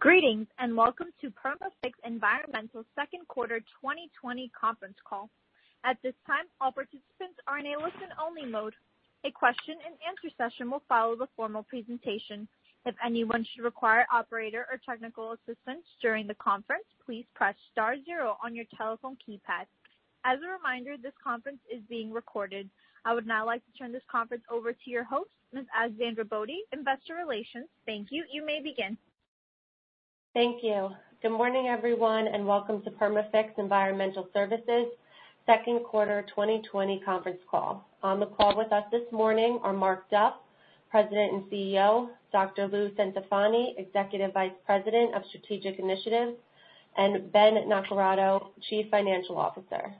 Greetings, Welcome to Perma-Fix Environmental second quarter 2020 conference call. At this time, all participants are in a listen-only mode. A question and answer session will follow the formal presentation. If anyone should require operator or technical assistance during the conference, please press star zero on your telephone keypad. As a reminder, this conference is being recorded. I would now like to turn this conference over to your host, Ms. Alexandra Bode, investor relations. Thank you. You may begin. Thank you. Good morning, everyone, and Welcome to Perma-Fix Environmental Services second quarter 2020 conference call. On the call with us this morning are Mark Duff, President and CEO, Dr. Lou Centofanti, Executive Vice President of Strategic Initiatives, and Ben Naccarato, Chief Financial Officer.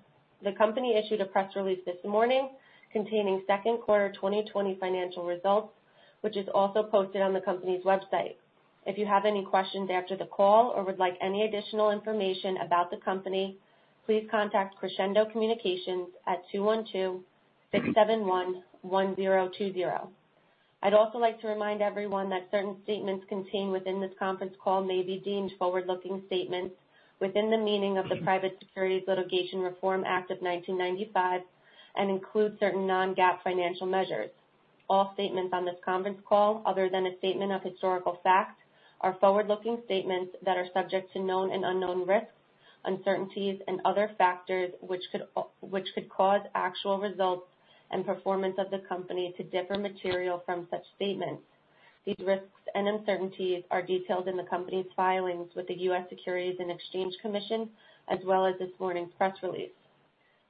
The company issued a press release this morning containing second quarter 2020 financial results, which is also posted on the company's website. If you have any questions after the call or would like any additional information about the company, please contact Crescendo Communications at 212-671-1020. I'd also like to remind everyone that certain statements contained within this conference call may be deemed forward-looking statements within the meaning of the Private Securities Litigation Reform Act of 1995 and include certain non-GAAP financial measures. All statements on this conference call, other than a statement of historical fact, are forward-looking statements that are subject to known and unknown risks, uncertainties and other factors which could cause actual results and performance of the company to differ material from such statements. These risks and uncertainties are detailed in the company's filings with the U.S. Securities and Exchange Commission, as well as this morning's press release.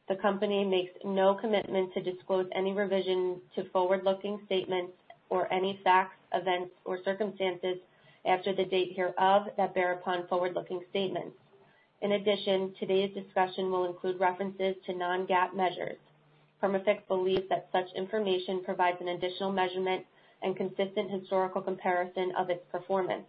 The company makes no commitment to disclose any revision to forward-looking statements or any facts, events, or circumstances after the date hereof that bear upon forward-looking statements. In addition, today's discussion will include references to non-GAAP measures. Perma-Fix believes that such information provides an additional measurement and consistent historical comparison of its performance.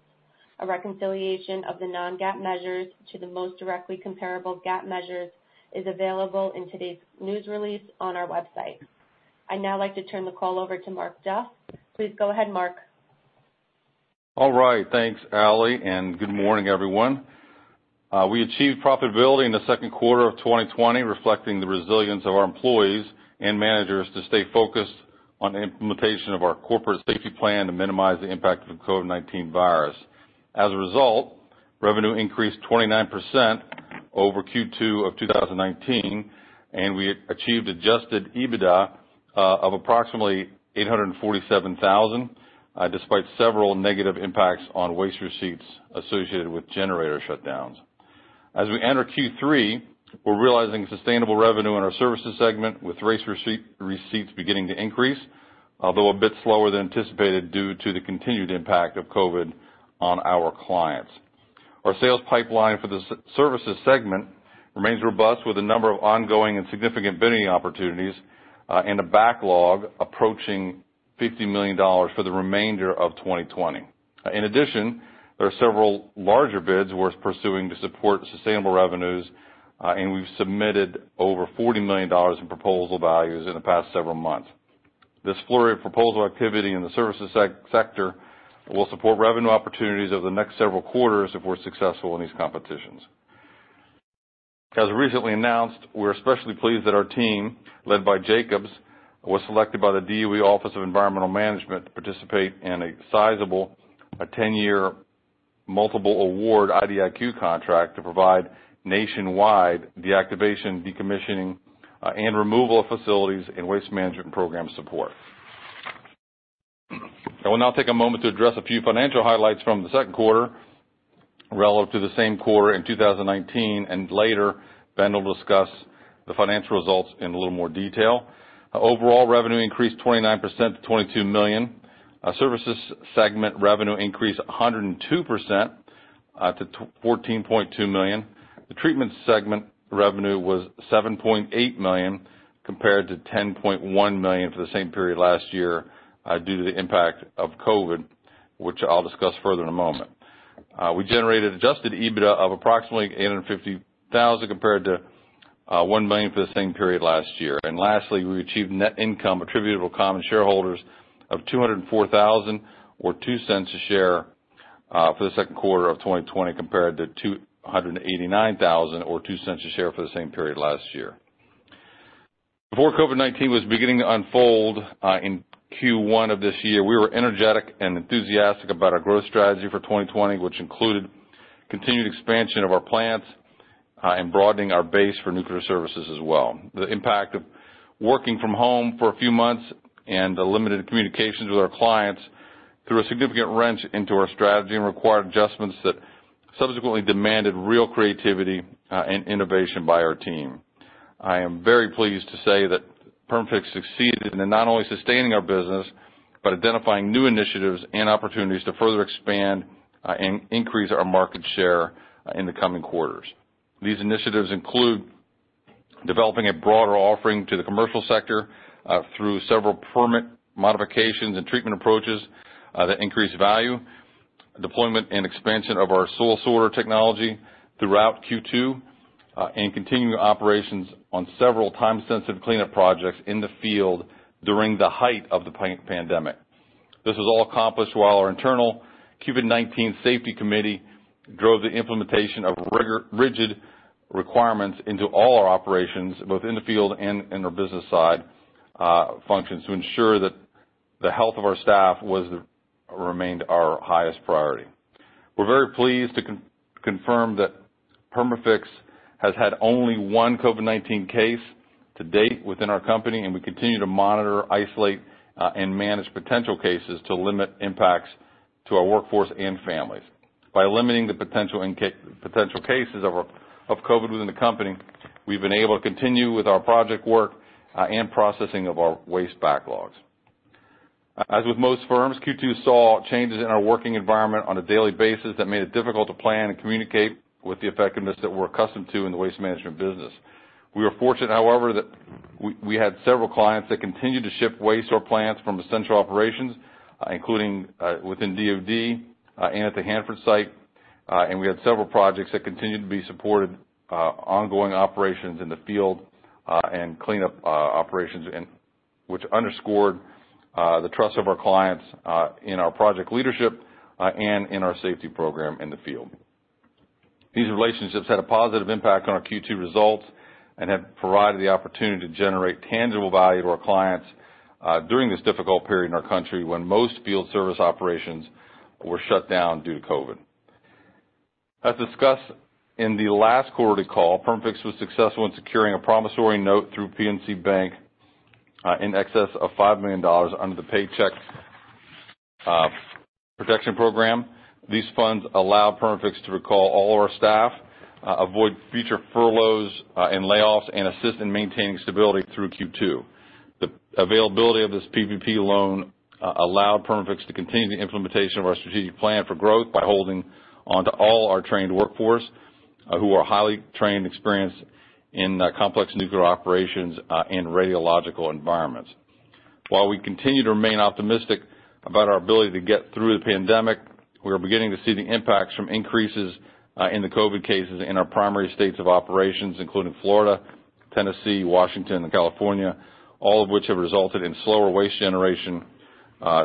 A reconciliation of the non-GAAP measures to the most directly comparable GAAP measure is available in today's news release on our website. I'd now like to turn the call over to Mark Duff. Please go ahead, Mark. All right. Thanks, Ally, and good morning, everyone. We achieved profitability in the second quarter of 2020, reflecting the resilience of our employees and managers to stay focused on the implementation of our corporate safety plan to minimize the impact of the COVID-19 virus. Revenue increased 29% over Q2 of 2019, and we achieved adjusted EBITDA of approximately $847,000, despite several negative impacts on waste receipts associated with generator shutdowns. We're realizing sustainable revenue in our services segment, with waste receipts beginning to increase, although a bit slower than anticipated due to the continued impact of COVID on our clients. Our sales pipeline for the services segment remains robust, with a number of ongoing and significant bidding opportunities, and a backlog approaching $50 million for the remainder of 2020. In addition, there are several larger bids we're pursuing to support sustainable revenues, and we've submitted over $40 million in proposal values in the past several months. This flurry of proposal activity in the services sector will support revenue opportunities over the next several quarters if we're successful in these competitions. As recently announced, we're especially pleased that our team, led by Jacobs, was selected by the DOE Office of Environmental Management to participate in a sizable, 10-year, multiple award IDIQ contract to provide nationwide deactivation, decommissioning, and removal of facilities and waste management program support. I will now take a moment to address a few financial highlights from the second quarter relative to the same quarter in 2019, and later Ben will discuss the financial results in a little more detail. Overall revenue increased 29% to $22 million. Our services segment revenue increased 102% to $14.2 million. The treatment segment revenue was $7.8 million, compared to $10.1 million for the same period last year, due to the impact of COVID, which I'll discuss further in a moment. We generated adjusted EBITDA of approximately $850,000, compared to $1 million for the same period last year. Lastly, we achieved net income attributable to common shareholders of $204,000 or $0.02 a share for the second quarter of 2020, compared to $289,000 or $0.02 a share for the same period last year. Before COVID-19 was beginning to unfold in Q1 of this year, we were energetic and enthusiastic about our growth strategy for 2020, which included continued expansion of our plants and broadening our base for nuclear services as well. The impact of working from home for a few months and the limited communications with our clients threw a significant wrench into our strategy and required adjustments that subsequently demanded real creativity and innovation by our team. I am very pleased to say that Perma-Fix succeeded in not only sustaining our business, but identifying new initiatives and opportunities to further expand and increase our market share in the coming quarters. These initiatives include developing a broader offering to the commercial sector, through several permit modifications and treatment approaches that increase value, deployment and expansion of our soil sorter technology throughout Q2, and continuing operations on several time-sensitive cleanup projects in the field during the height of the pandemic. This was all accomplished while our internal COVID-19 safety committee drove the implementation of rigid requirements into all our operations, both in the field and in our business side functions to ensure that the health of our staff remained our highest priority. We're very pleased to confirm that Perma-Fix has had only one COVID-19 case to date within our company, and we continue to monitor, isolate, and manage potential cases to limit impacts to our workforce and families. By limiting the potential cases of COVID within the company, we've been able to continue with our project work and processing of our waste backlogs. As with most firms, Q2 saw changes in our working environment on a daily basis that made it difficult to plan and communicate with the effectiveness that we're accustomed to in the waste management business. We were fortunate, however, that we had several clients that continued to ship waste to our plants from essential operations, including within DOD and at the Hanford Site, and we had several projects that continued to be supported, ongoing operations in the field, and cleanup operations, which underscored the trust of our clients in our project leadership and in our safety program in the field. These relationships had a positive impact on our Q2 results and have provided the opportunity to generate tangible value to our clients during this difficult period in our country when most field service operations were shut down due to COVID. As discussed in the last quarterly call, Perma-Fix was successful in securing a promissory note through PNC Bank in excess of $5 million under the Paycheck Protection Program. These funds allow Perma-Fix to recall all our staff, avoid future furloughs and layoffs, and assist in maintaining stability through Q2. The availability of this PPP loan allowed Perma-Fix to continue the implementation of our strategic plan for growth by holding onto all our trained workforce, who are highly trained, experienced in complex nuclear operations, and radiological environments. While we continue to remain optimistic about our ability to get through the pandemic, we are beginning to see the impacts from increases in the COVID cases in our primary states of operations, including Florida, Tennessee, Washington, and California, all of which have resulted in slower waste generation,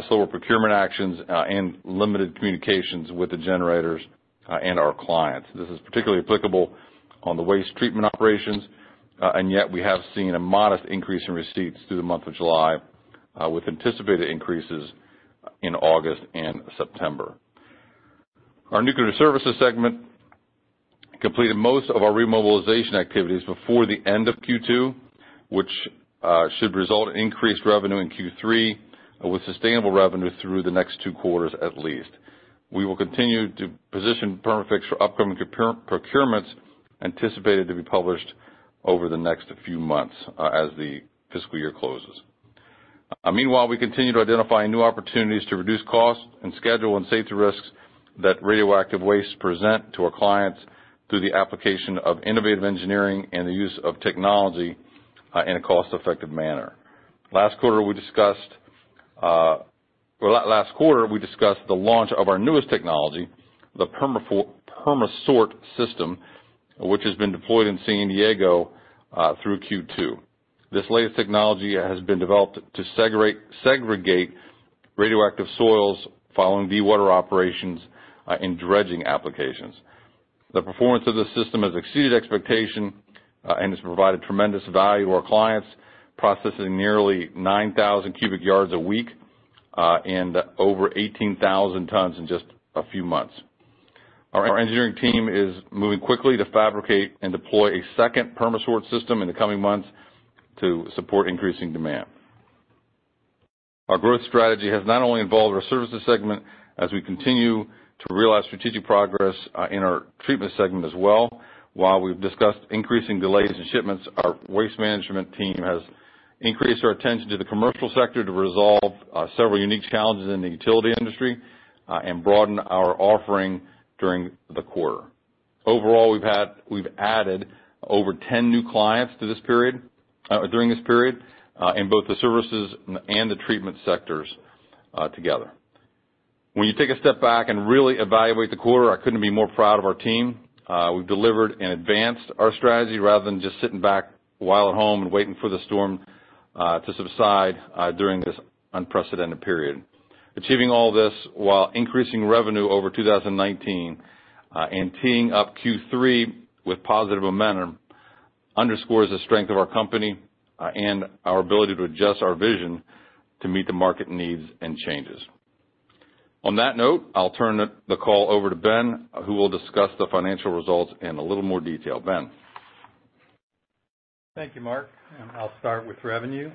slower procurement actions, and limited communications with the generators and our clients. This is particularly applicable on the waste treatment operations. Yet we have seen a modest increase in receipts through the month of July, with anticipated increases in August and September. Our nuclear services segment completed most of our remobilization activities before the end of Q2, which should result in increased revenue in Q3 with sustainable revenue through the next two quarters at least. We will continue to position Perma-Fix for upcoming procurements anticipated to be published over the next few months as the fiscal year closes. Meanwhile, we continue to identify new opportunities to reduce costs and schedule and safety risks that radioactive waste present to our clients through the application of innovative engineering and the use of technology in a cost-effective manner. Last quarter, we discussed the launch of our newest technology, the Perma-Sort system, which has been deployed in San Diego through Q2. This latest technology has been developed to segregate radioactive soils following dewater operations and dredging applications. The performance of this system has exceeded expectation and has provided tremendous value to our clients, processing nearly 9,000 cubic yards a week and over 18,000 tons in just a few months. Our engineering team is moving quickly to fabricate and deploy a second Perma-Sort system in the coming months to support increasing demand. Our growth strategy has not only involved our services segment as we continue to realize strategic progress in our treatment segment as well. While we've discussed increasing delays in shipments, our waste management team has increased our attention to the commercial sector to resolve several unique challenges in the utility industry and broaden our offering during the quarter. Overall, we've added over 10 new clients during this period, in both the services and the treatment sectors together. When you take a step back and really evaluate the quarter, I couldn't be more proud of our team. We've delivered and advanced our strategy rather than just sitting back while at home and waiting for the storm to subside during this unprecedented period. Achieving all this while increasing revenue over 2019, and teeing up Q3 with positive momentum underscores the strength of our company and our ability to adjust our vision to meet the market needs and changes. On that note, I'll turn the call over to Ben, who will discuss the financial results in a little more detail. Ben. Thank you, Mark. I'll start with revenue.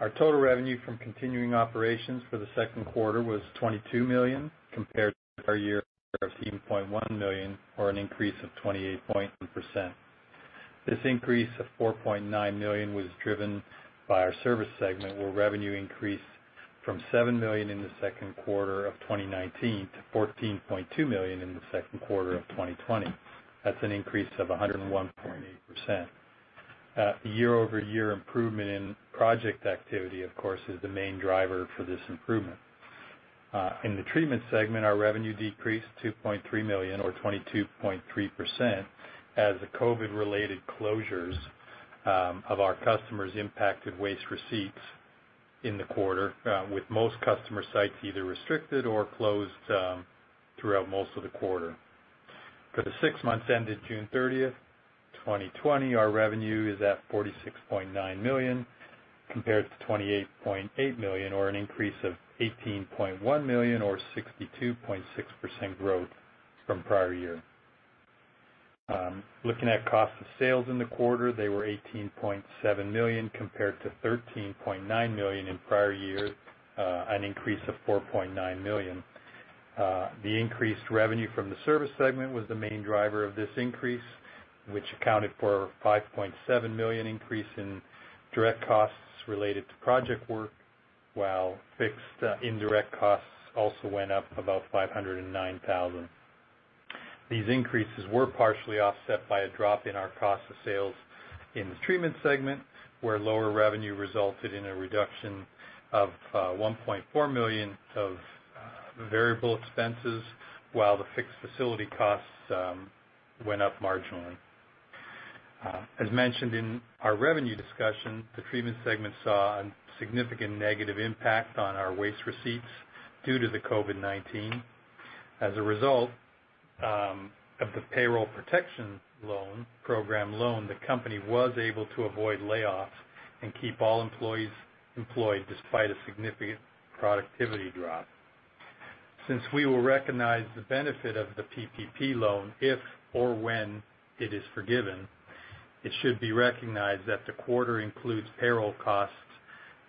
Our total revenue from continuing operations for the second quarter was $22 million compared to our year-over-year of $17.1 million, or an increase of 28.8%. This increase of $4.9 million was driven by our service segment, where revenue increased from $7 million in the second quarter of 2019 to $14.2 million in the second quarter of 2020. That's an increase of 101.8%. Year-over-year improvement in project activity, of course, is the main driver for this improvement. In the treatment segment, our revenue decreased $2.3 million or 22.3% as the COVID-related closures of our customers impacted waste receipts in the quarter, with most customer sites either restricted or closed throughout most of the quarter. For the six months ended June 30th, 2020, our revenue is at $46.9 million compared to $28.8 million, or an increase of $18.1 million or 62.6% growth from prior year. Looking at cost of sales in the quarter, they were $18.7 million compared to $13.9 million in prior year, an increase of $4.9 million. The increased revenue from the service segment was the main driver of this increase, which accounted for $5.7 million increase in direct costs related to project work, while fixed indirect costs also went up about $509,000. These increases were partially offset by a drop in our cost of sales in the treatment segment, where lower revenue resulted in a reduction of $1.4 million of variable expenses, while the fixed facility costs went up marginally. As mentioned in our revenue discussion, the treatment segment saw a significant negative impact on our waste receipts due to the COVID-19. As a result of the Paycheck Protection Program loan, the company was able to avoid layoffs and keep all employees employed despite a significant productivity drop. Since we will recognize the benefit of the PPP loan if or when it is forgiven, it should be recognized that the quarter includes payroll costs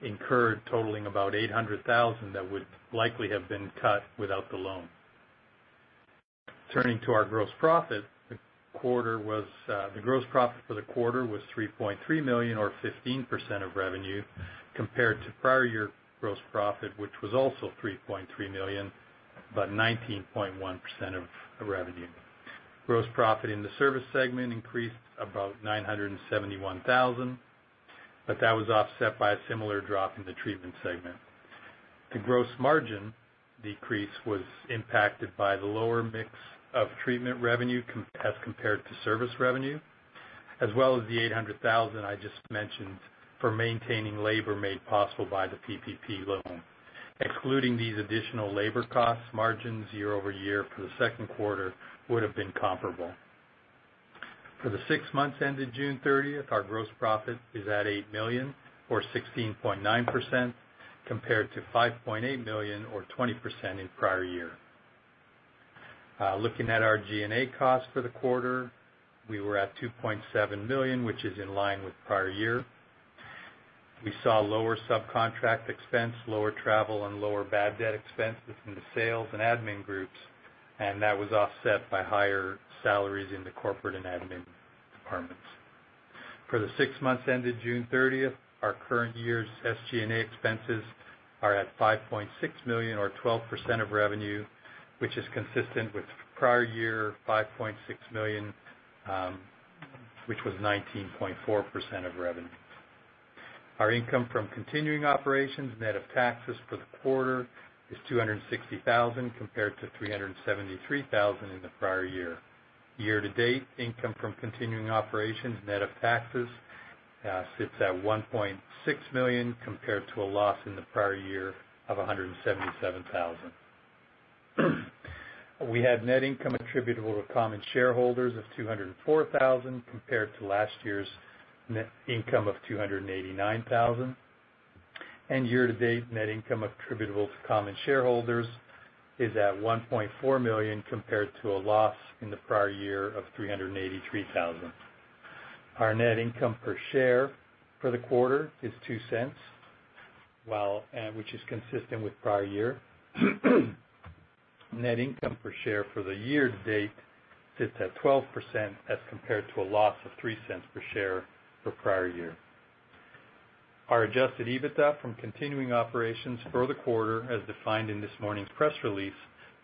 incurred totaling about $800,000 that would likely have been cut without the loan. Turning to our gross profit, the gross profit for the quarter was $3.3 million, or 15% of revenue, compared to prior year gross profit, which was also $3.3 million, but 19.1% of revenue. Gross profit in the service segment increased about $971,000, but that was offset by a similar drop in the treatment segment. The gross margin decrease was impacted by the lower mix of treatment revenue as compared to service revenue, as well as the $800,000 I just mentioned for maintaining labor made possible by the PPP loan. Excluding these additional labor costs, margins year-over-year for the second quarter would have been comparable. For the six months ended June 30th, our gross profit is at $8 million, or 16.9%, compared to $5.8 million or 20% in prior year. Looking at our G&A costs for the quarter, we were at $2.7 million, which is in line with prior year. We saw lower subcontract expense, lower travel, and lower bad debt expense within the sales and admin groups. That was offset by higher salaries in the corporate and admin departments. For the six months ended June 30th, our current year's SG&A expenses are at $5.6 million, or 12% of revenue, which is consistent with prior year, $5.6 million, which was 19.4% of revenue. Our income from continuing operations net of taxes for the quarter is $260,000, compared to $373,000 in the prior year. Year to date, income from continuing operations net of taxes sits at $1.6 million, compared to a loss in the prior year of $177,000. We had net income attributable to common shareholders of $204,000 compared to last year's net income of $289,000. Year to date, net income attributable to common shareholders is at $1.4 million, compared to a loss in the prior year of $383,000. Our net income per share for the quarter is $0.02, which is consistent with prior year. Net income per share for the year-to-date sits at 12%, as compared to a loss of $0.03 per share for prior year. Our adjusted EBITDA from continuing operations for the quarter, as defined in this morning's press release,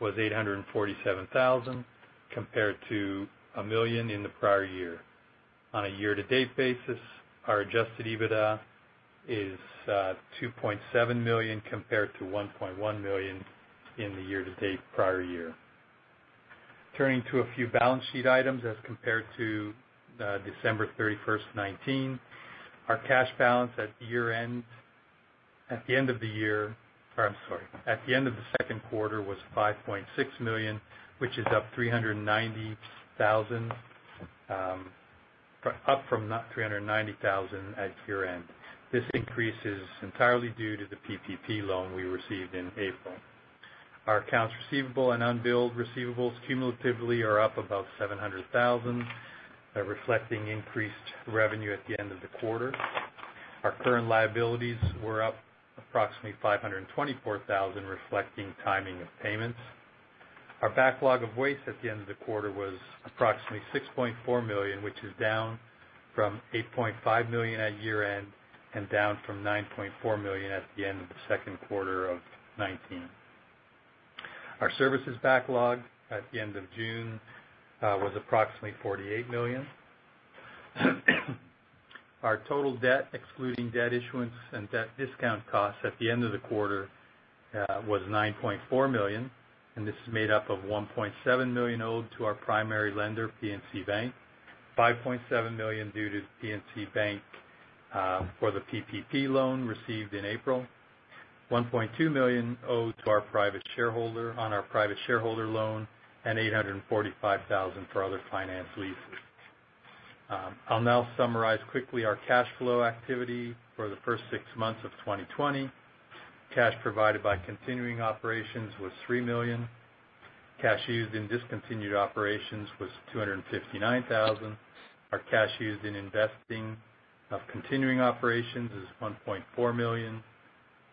was $847,000 compared to $1 million in the prior year. On a year-to-date basis, our adjusted EBITDA is $2.7 million compared to $1.1 million in the year-to-date prior year. Turning to a few balance sheet items as compared to December 31st, 2019. Our cash balance at the end of the year, or I'm sorry, at the end of the second quarter was $5.6 million, which is up from $390,000 at year-end. This increase is entirely due to the PPP loan we received in April. Our accounts receivable and unbilled receivables cumulatively are up about $700,000, reflecting increased revenue at the end of the quarter. Our current liabilities were up approximately $524,000, reflecting timing of payments. Our backlog of waste at the end of the quarter was approximately $6.4 million, which is down from $8.5 million at year-end and down from $9.4 million at the end of the second quarter of 2019. Our services backlog at the end of June was approximately $48 million. Our total debt, excluding debt issuance and debt discount costs at the end of the quarter, was $9.4 million. This is made up of $1.7 million owed to our primary lender, PNC Bank, $5.7 million due to PNC Bank for the PPP loan received in April, $1.2 million owed to our private shareholder on our private shareholder loan, and $845,000 for other finance leases. I'll now summarize quickly our cash flow activity for the first six months of 2020. Cash provided by continuing operations was $3 million. Cash used in discontinued operations was $259,000. Our cash used in investing of continuing operations is $1.4 million.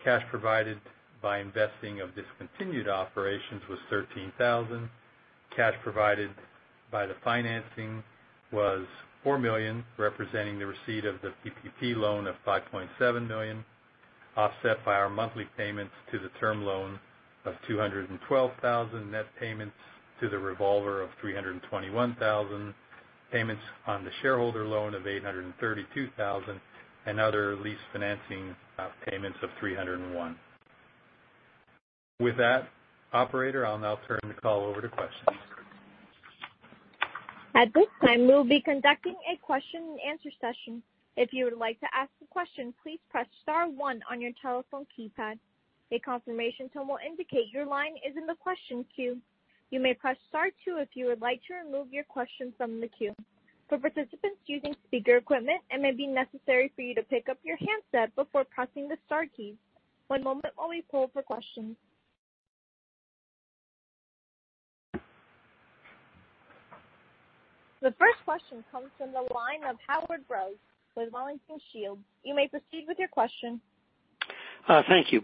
Cash provided by investing of discontinued operations was $13,000. Cash provided by the financing was $4 million, representing the receipt of the PPP loan of $5.7 million, offset by our monthly payments to the term loan of $212,000 net payments to the revolver of $321,000, payments on the shareholder loan of $832,000 and other lease financing payments of $301,000. With that, operator, I'll now turn the call over to questions. At this time, we'll be conducting a question and answer session. If you would like to ask a question, please press star one on your telephone keypad. A confirmation tone will indicate your line is in the question queue. You may press star two if you would like to remove your question from the queue. For participants using speaker equipment, it may be necessary for you to pick up your handset before pressing the star keys. One moment while we poll for questions. The first question comes from the line of Howard Brous with Wellington Shields. You may proceed with your question. Thank you.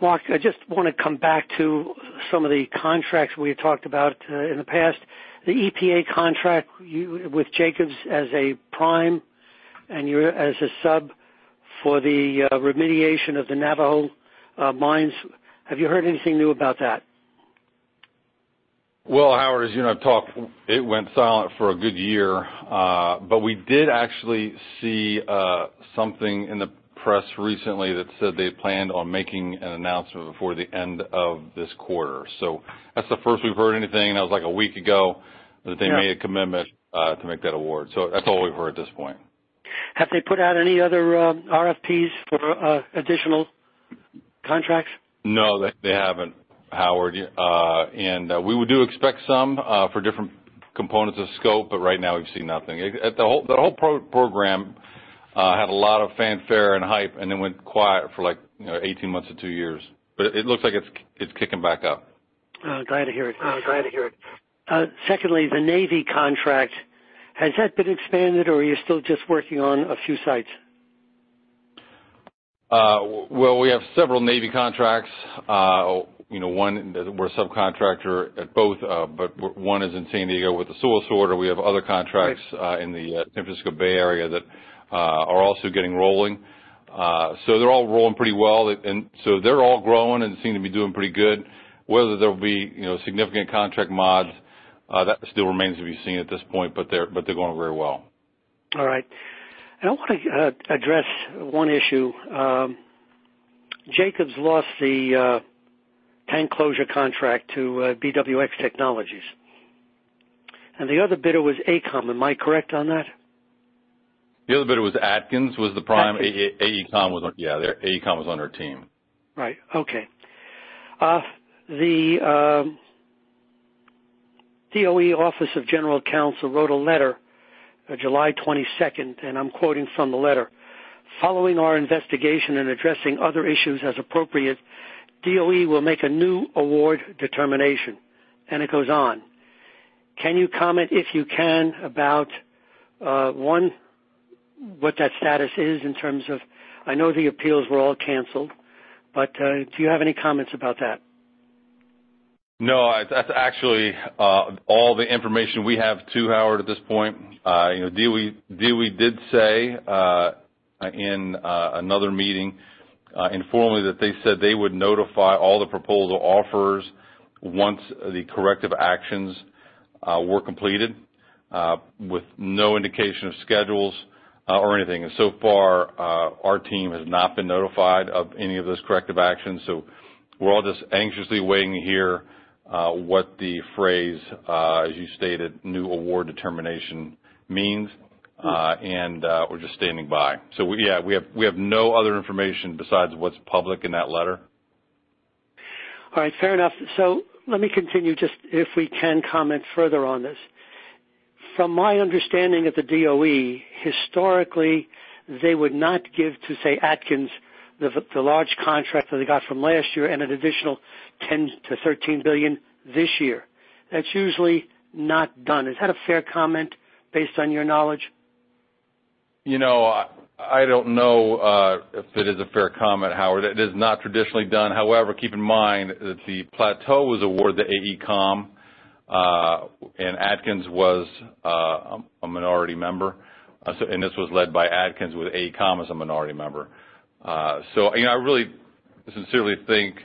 Mark, I just want to come back to some of the contracts we talked about in the past. The EPA contract with Jacobs as a prime and you as a sub for the remediation of the Navajo mines. Have you heard anything new about that? Well, Howard, as you and I have talked, it went silent for a good year. We did actually see something in the press recently that said they planned on making an announcement before the end of this quarter. That's the first we've heard anything, and that was like a week ago, that they made a commitment to make that award. That's all we've heard at this point. Have they put out any other RFPs for additional contracts? No, they haven't, Howard. We do expect some for different components of scope, but right now we've seen nothing. The whole program had a lot of fanfare and hype and then went quiet for like 18 months to two years. It looks like it's kicking back up. Glad to hear it. Secondly, the Navy contract, has that been expanded or are you still just working on a few sites? Well, we have several Navy contracts. One, we're a subcontractor at both, but one is in San Diego with the soil sorter. We have other contracts in the San Francisco Bay area that are also getting rolling. They're all rolling pretty well. They're all growing and seem to be doing pretty good. Whether there'll be significant contract mods, that still remains to be seen at this point, but they're going very well. All right. I want to address one issue. Jacobs lost the tank closure contract to BWX Technologies, and the other bidder was AECOM. Am I correct on that? The other bidder was Atkins, was the prime. AECOM was on their team. Right. Okay. The DOE Office of General Counsel wrote a letter July 22nd, and I'm quoting from the letter, "Following our investigation and addressing other issues as appropriate, DOE will make a new award determination," and it goes on. Can you comment, if you can, about, one, what that status is in terms of I know the appeals were all canceled, but do you have any comments about that? No. That's actually all the information we have too, Howard, at this point. DOE did say in another meeting, informally, that they said they would notify all the proposal offerors once the corrective actions were completed, with no indication of schedules or anything. So far, our team has not been notified of any of those corrective actions. We're all just anxiously waiting to hear what the phrase, as you stated, new award determination means. We're just standing by. Yeah, we have no other information besides what's public in that letter. All right. Fair enough. Let me continue, just if we can comment further on this. From my understanding of the DOE, historically, they would not give to, say, Atkins, the large contract that they got from last year and an additional $10 billion-$13 billion this year. That's usually not done. Is that a fair comment based on your knowledge? I don't know if it is a fair comment, Howard. It is not traditionally done. Keep in mind that the Plateau was awarded to AECOM, and Atkins was a minority member, and this was led by Atkins with AECOM as a minority member. I sincerely think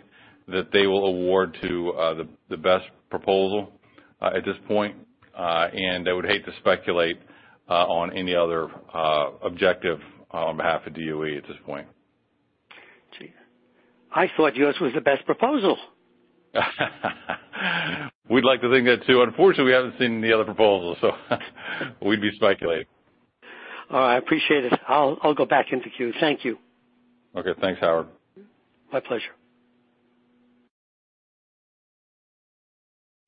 that they will award to the best proposal at this point. I would hate to speculate on any other objective on behalf of DOE at this point. Gee, I thought yours was the best proposal. We'd like to think that, too. Unfortunately, we haven't seen the other proposals, so we'd be speculating. All right. I appreciate it. I'll go back into queue. Thank you. Okay. Thanks, Howard. My pleasure.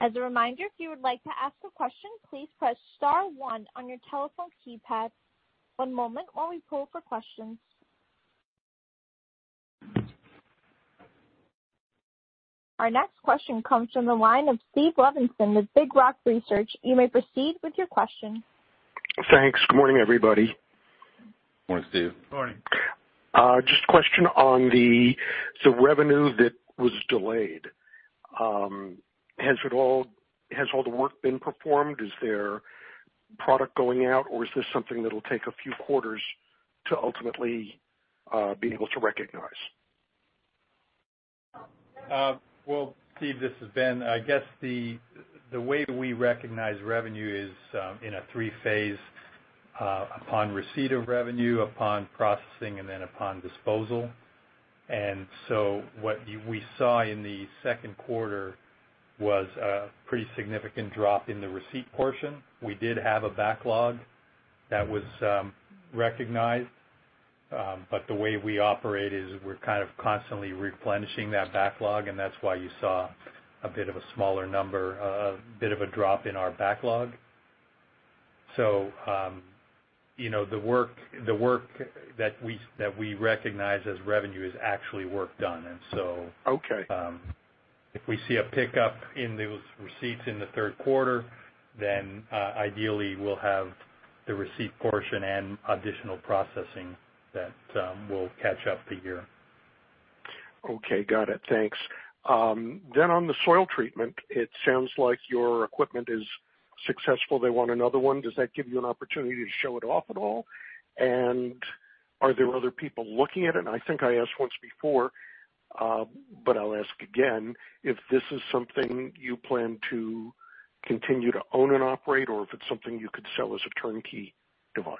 As a reminder, if you would like to ask a question, please press star one on your telephone keypad. One moment while we poll for questions. Our next question comes from the line of Stephen Levenson with Big Rock Research. You may proceed with your question. Thanks. Good morning, everybody. Morning, Stephen. Morning. Just a question on the revenue that was delayed. Has all the work been performed? Is there product going out, or is this something that'll take a few quarters to ultimately be able to recognize? Well, Stephen, this is Ben. I guess the way we recognize revenue is in a three-phase, upon receipt of revenue, upon processing, upon disposal. What we saw in the second quarter was a pretty significant drop in the receipt portion. We did have a backlog that was recognized. The way we operate is we're kind of constantly replenishing that backlog, that's why you saw a bit of a drop in our backlog. The work that we recognize as revenue is actually work done. Okay If we see a pickup in those receipts in the third quarter, then ideally we'll have the receipt portion and additional processing that will catch up the year. Okay. Got it. Thanks. On the soil treatment, it sounds like your equipment is successful. They want another one. Does that give you an opportunity to show it off at all? Are there other people looking at it? I think I asked once before, but I'll ask again if this is something you plan to continue to own and operate, or if it's something you could sell as a turnkey device.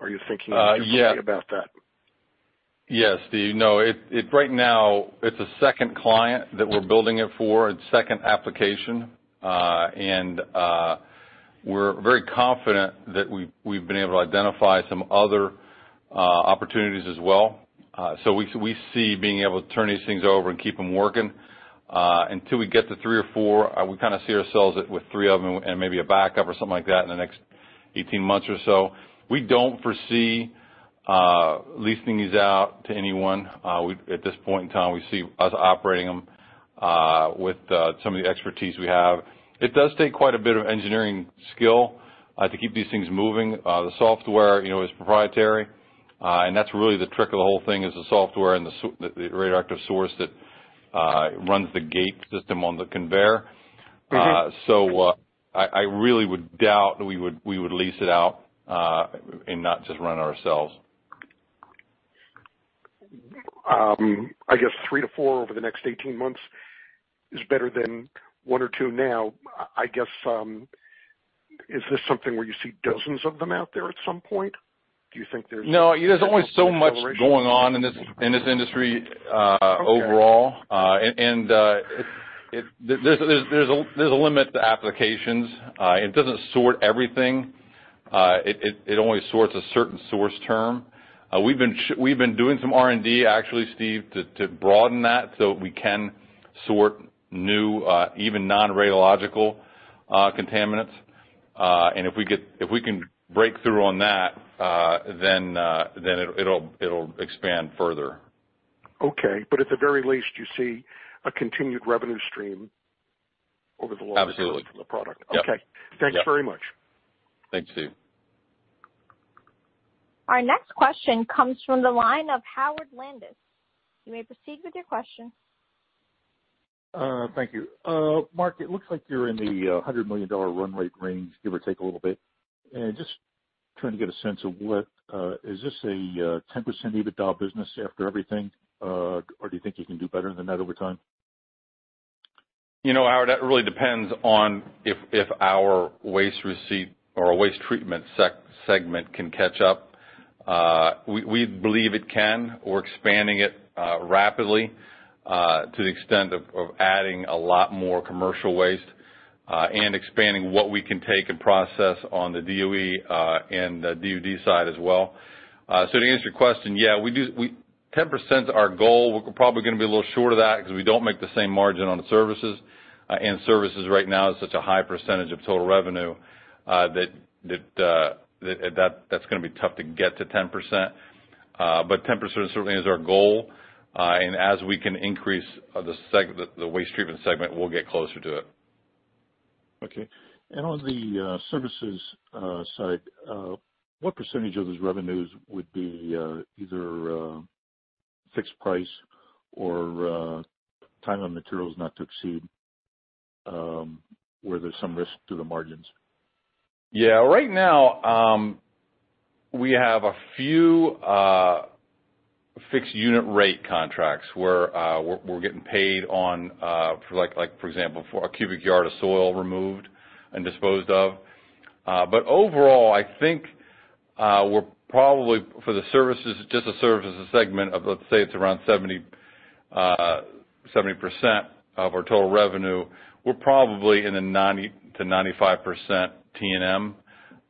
Are you thinking differently about that? Yes, Stephen. Right now, it's a second client that we're building it for and second application. We're very confident that we've been able to identify some other opportunities as well. We see being able to turn these things over and keep them working. Until we get to three or four, we kind of see ourselves at with three of them and maybe a backup or something like that in the next 18 months or so. We don't foresee leasing these out to anyone. At this point in time, we see us operating them with some of the expertise we have. It does take quite a bit of engineering skill to keep these things moving. The software is proprietary. That's really the trick of the whole thing is the software and the radioactive source that runs the gate system on the conveyor. I really would doubt we would lease it out and not just run it ourselves. I guess three to four over the next 18 months is better than one or two now. I guess, is this something where you see dozens of them out there at some point? Do you think there's? No, there's only so much going on in this industry overall. Okay. There's a limit to applications. It doesn't sort everything. It only sorts a certain source term. We've been doing some R&D, actually, Steve, to broaden that so we can sort new, even non-radiological contaminants. If we can break through on that, then it'll expand further. Okay. At the very least, you see a continued revenue stream over the long term. Absolutely From the product. Yeah. Okay. Thanks very much. Thanks, Stephen. Our next question comes from the line of Howard Landis. You may proceed with your question. Thank you. Mark, it looks like you're in the $100 million run rate range, give or take a little bit. Just trying to get a sense of is this a 10% EBITDA business after everything, or do you think you can do better than that over time? Howard, that really depends on if our waste treatment segment can catch up. We believe it can. We're expanding it rapidly to the extent of adding a lot more commercial waste, and expanding what we can take and process on the DOE and the DOD side as well. To answer your question, yeah. 10% is our goal. We're probably going to be a little short of that because we don't make the same margin on the services, and services right now is such a high percentage of total revenue, that's going to be tough to get to 10%. 10% certainly is our goal. As we can increase the waste treatment segment, we'll get closer to it. Okay. On the services side, what percentage of those revenues would be either fixed price or time and materials not to exceed, where there's some risk to the margins? Yeah. Right now, we have a few fixed unit rate contracts where we're getting paid on, for example, a cubic yard of soil removed and disposed of. Overall, I think we're probably, for just the services segment of, let's say it's around 70% of our total revenue, we're probably in the 90%-95% T&M.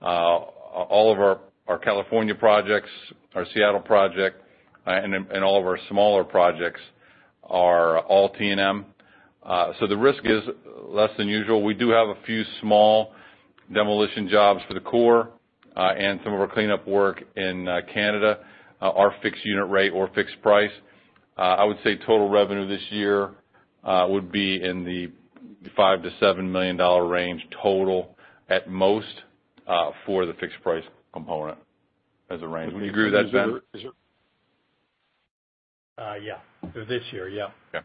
All of our California projects, our Seattle project, and all of our smaller projects are all T&M. The risk is less than usual. We do have a few small demolition jobs for the corps, and some of our cleanup work in Canada are fixed unit rate or fixed price. I would say total revenue this year would be in the $5 million-$7 million range total at most, for the fixed price component as a range. Would you agree with that, Ben? Yeah. For this year, yeah. Yeah.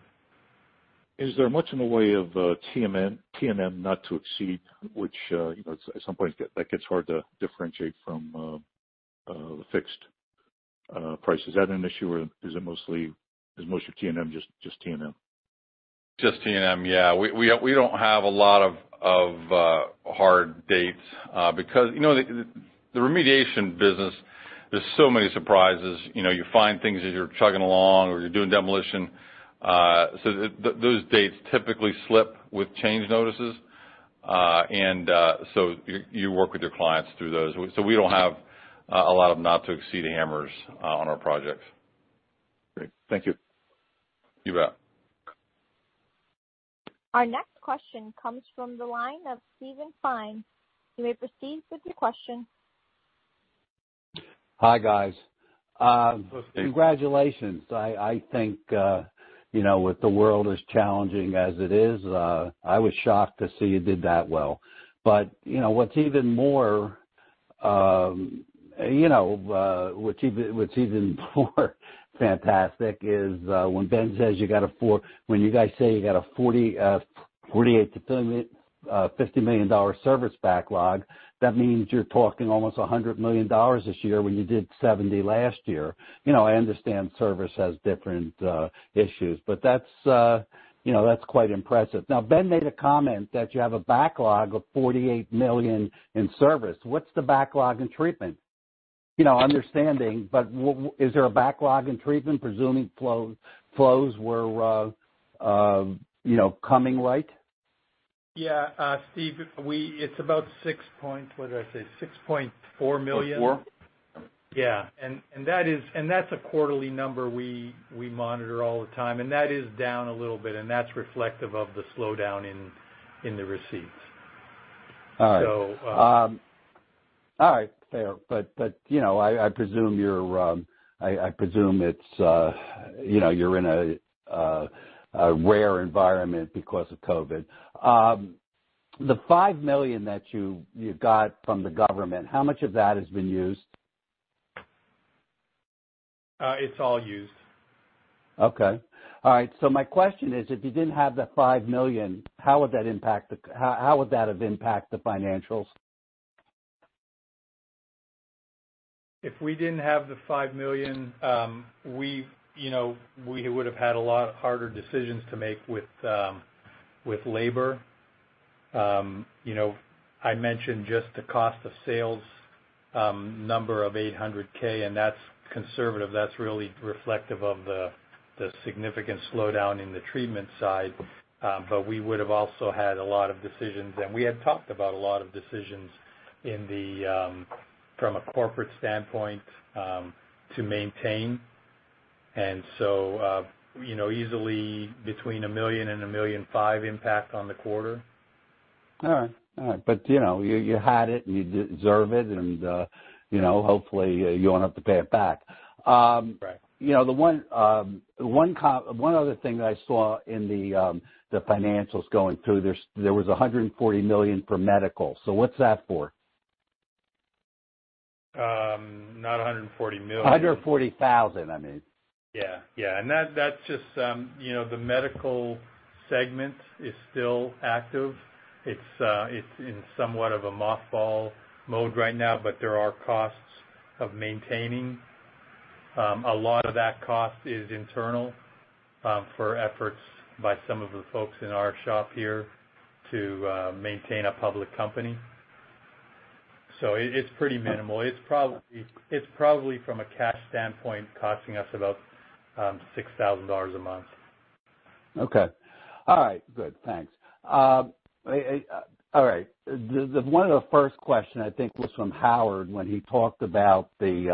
Is there much in the way of T&M not to exceed, which at some point that gets hard to differentiate from the fixed price? Is that an issue or is most of your T&M just T&M? Just T&M, yeah. We don't have a lot of hard dates, because the remediation business, there's so many surprises. You find things as you're chugging along or you're doing demolition. Those dates typically slip with change notices. You work with your clients through those. We don't have a lot of not to exceed hammers on our projects. Great. Thank you. You bet. Our next question comes from the line of Steven Fine. You may proceed with your question. Hi, guys. Steven. Congratulations. I think, with the world as challenging as it is, I was shocked to see you did that well. What's even more fantastic is when you guys say you got a $48 million-$50 million service backlog, that means you're talking almost $100 million this year when you did $70 million last year. I understand service has different issues, but that's quite impressive. Ben made a comment that you have a backlog of $48 million in service. What's the backlog in treatment? Understanding, but is there a backlog in treatment, presuming flows were coming right? Yeah. Steven, it's about six point. What did I say? $6.4 million. Four? Yeah. That's a quarterly number we monitor all the time, and that is down a little bit, and that's reflective of the slowdown in the receipts. All right. All right. Fair. I presume you're in a rare environment because of COVID. The $5 million that you got from the government, how much of that has been used? It's all used. Okay. All right. My question is: If you didn't have the $5 million, how would that have impacted the financials? If we didn't have the $5 million, we would've had a lot harder decisions to make with labor. I mentioned just the cost of sales number of $800,000. That's conservative. That's really reflective of the significant slowdown in the treatment side. We would've also had a lot of decisions, and we had talked about a lot of decisions from a corporate standpoint, to maintain. Easily between $1 million and $1.5 million impact on the quarter. All right. You had it, and you deserve it, and hopefully you won't have to pay it back. Right. One other thing that I saw in the financials going through, there was $140 million for medical. What's that for? Not $140 million. $140,000, I mean. Yeah. That's just the medical segment is still active. It's in somewhat of a mothball mode right now, but there are costs of maintaining. A lot of that cost is internal, for efforts by some of the folks in our shop here to maintain a public company. It's pretty minimal. It's probably, from a cash standpoint, costing us about $6,000 a month. Okay. All right, good. Thanks. All right. One of the first question, I think, was from Howard, when he talked about the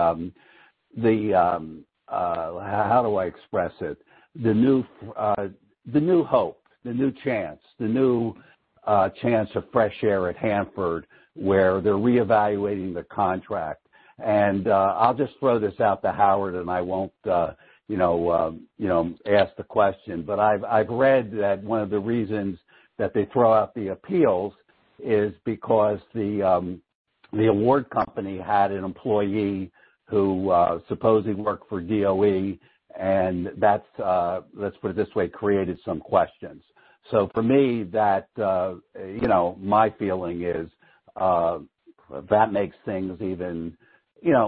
How do I express it? The new hope, the new chance, the new chance of fresh air at Hanford, where they're reevaluating the contract. I'll just throw this out to Howard, and I won't ask the question, but I've read that one of the reasons that they throw out the appeals is because the award company had an employee who supposedly worked for DOE, and that's, let's put it this way, created some questions. For me, my feeling is, that makes things even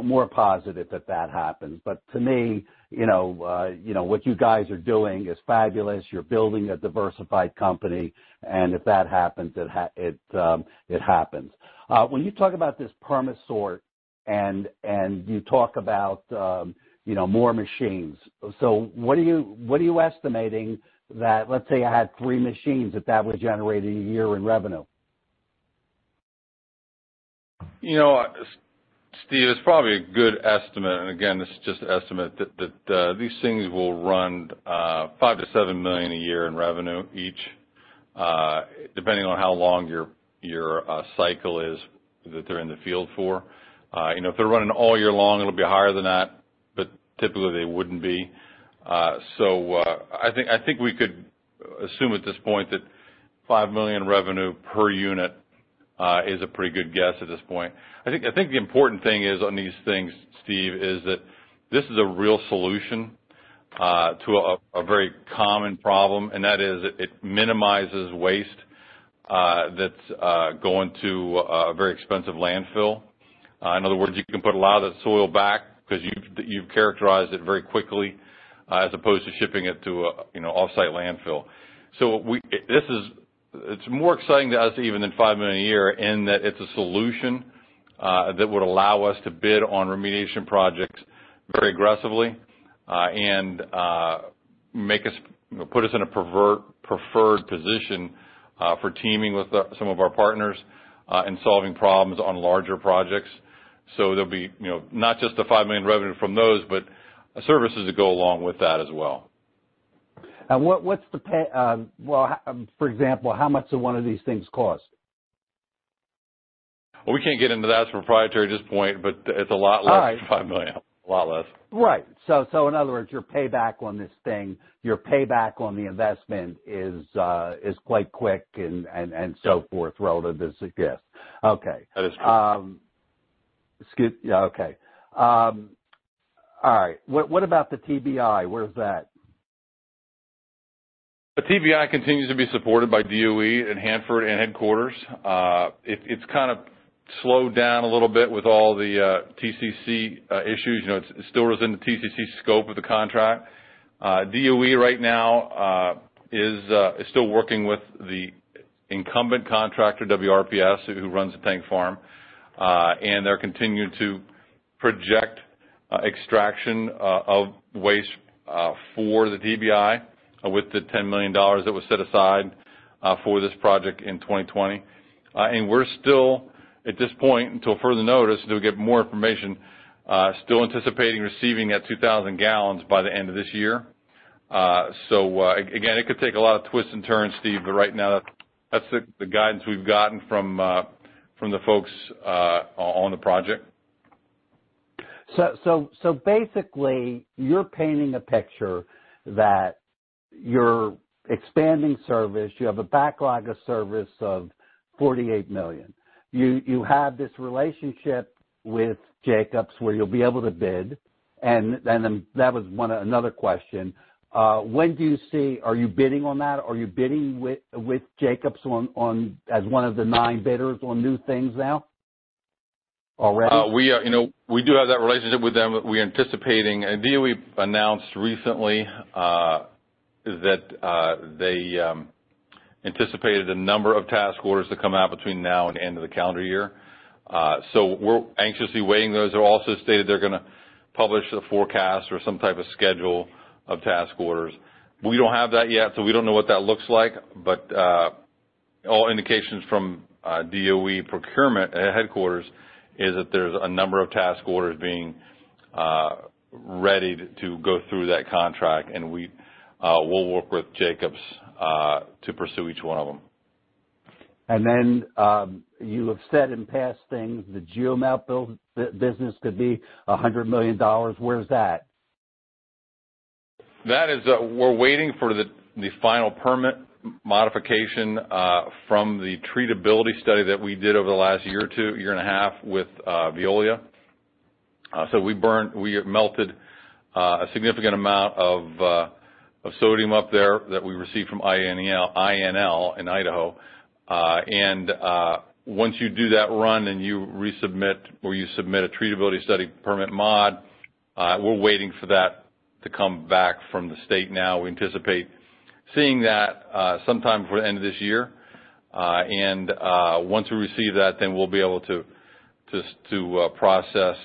more positive that happens. To me, what you guys are doing is fabulous. You're building a diversified company, and if that happens, it happens. When you talk about this Perma-Sort, and you talk about more machines. What are you estimating that, let's say I had three machines, that would generate a year in revenue? Steven, it's probably a good estimate, and again, this is just an estimate, that these things will run $5 million-$7 million a year in revenue each, depending on how long your cycle is that they're in the field for. If they're running all year long, it'll be higher than that, but typically they wouldn't be. I think we could assume at this point that $5 million revenue per unit is a pretty good guess at this point. I think the important thing is on these things, Steven, is that this is a real solution to a very common problem, and that is it minimizes waste that's going to a very expensive landfill. In other words, you can put a lot of the soil back because you've characterized it very quickly as opposed to shipping it to an offsite landfill. It's more exciting to us even than $5 million a year in that it's a solution that would allow us to bid on remediation projects very aggressively. Put us in a preferred position for teaming with some of our partners in solving problems on larger projects. There'll be not just the $5 million revenue from those, but services that go along with that as well. For example, how much do one of these things cost? Well, we can't get into that. It's proprietary at this point, but it's a lot less than $5 million. A lot less. Right. In other words, your payback on this thing, your payback on the investment is quite quick and so forth relative to success. Okay. That is correct. Yeah. Okay. All right. What about the TBI? Where is that? The TBI continues to be supported by DOE and Hanford and headquarters. It's kind of slowed down a little bit with all the TCC issues. It still is in the TCC scope of the contract. DOE right now is still working with the incumbent contractor, WRPS, who runs the tank farm. They're continuing to project extraction of waste for the TBI with the $10 million that was set aside for this project in 2020. We're still, at this point until further notice till we get more information, still anticipating receiving that 2,000 gallons by the end of this year. Again, it could take a lot of twists and turns, Steven, but right now, that's the guidance we've gotten from the folks on the project. Basically, you're painting a picture that you're expanding service. You have a backlog of service of $48 million. You have this relationship with Jacobs where you'll be able to bid, and then that was another question. Are you bidding on that? Are you bidding with Jacobs as one of the nine bidders on new things now already? We do have that relationship with them. DOE announced recently that they anticipated a number of task orders to come out between now and the end of the calendar year. We're anxiously awaiting those. They also stated they're going to publish the forecast or some type of schedule of task orders. We don't have that yet, so we don't know what that looks like. All indications from DOE procurement at headquarters is that there's a number of task orders being readied to go through that contract, and we'll work with Jacobs to pursue each one of them. You have said in past things, the GeoMelt business could be $100 million. Where is that? We're waiting for the final permit modification from the treatability study that we did over the last year or two, year and a half with Veolia. We melted a significant amount of sodium up there that we received from INL in Idaho. Once you do that run and you resubmit, or you submit a treatability study permit mod, we're waiting for that to come back from the state now. We anticipate seeing that sometime before the end of this year. Once we receive that, we'll be able to process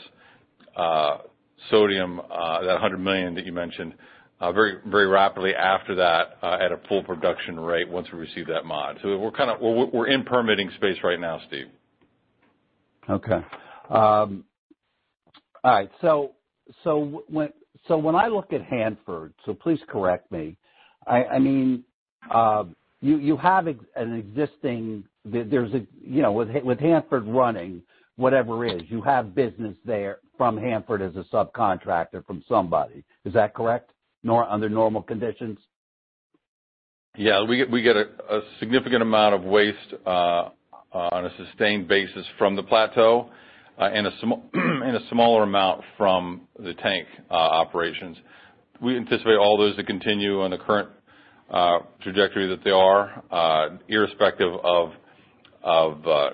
sodium, that $100 million that you mentioned, very rapidly after that at a full production rate once we receive that mod. We're in permitting space right now, Steven. Okay. All right. When I look at Hanford, so please correct me. With Hanford running whatever is, you have business there from Hanford as a subcontractor from somebody. Is that correct? Under normal conditions? Yeah. We get a significant amount of waste on a sustained basis from the plateau and a smaller amount from the tank operations. We anticipate all those to continue on the current trajectory that they are, irrespective of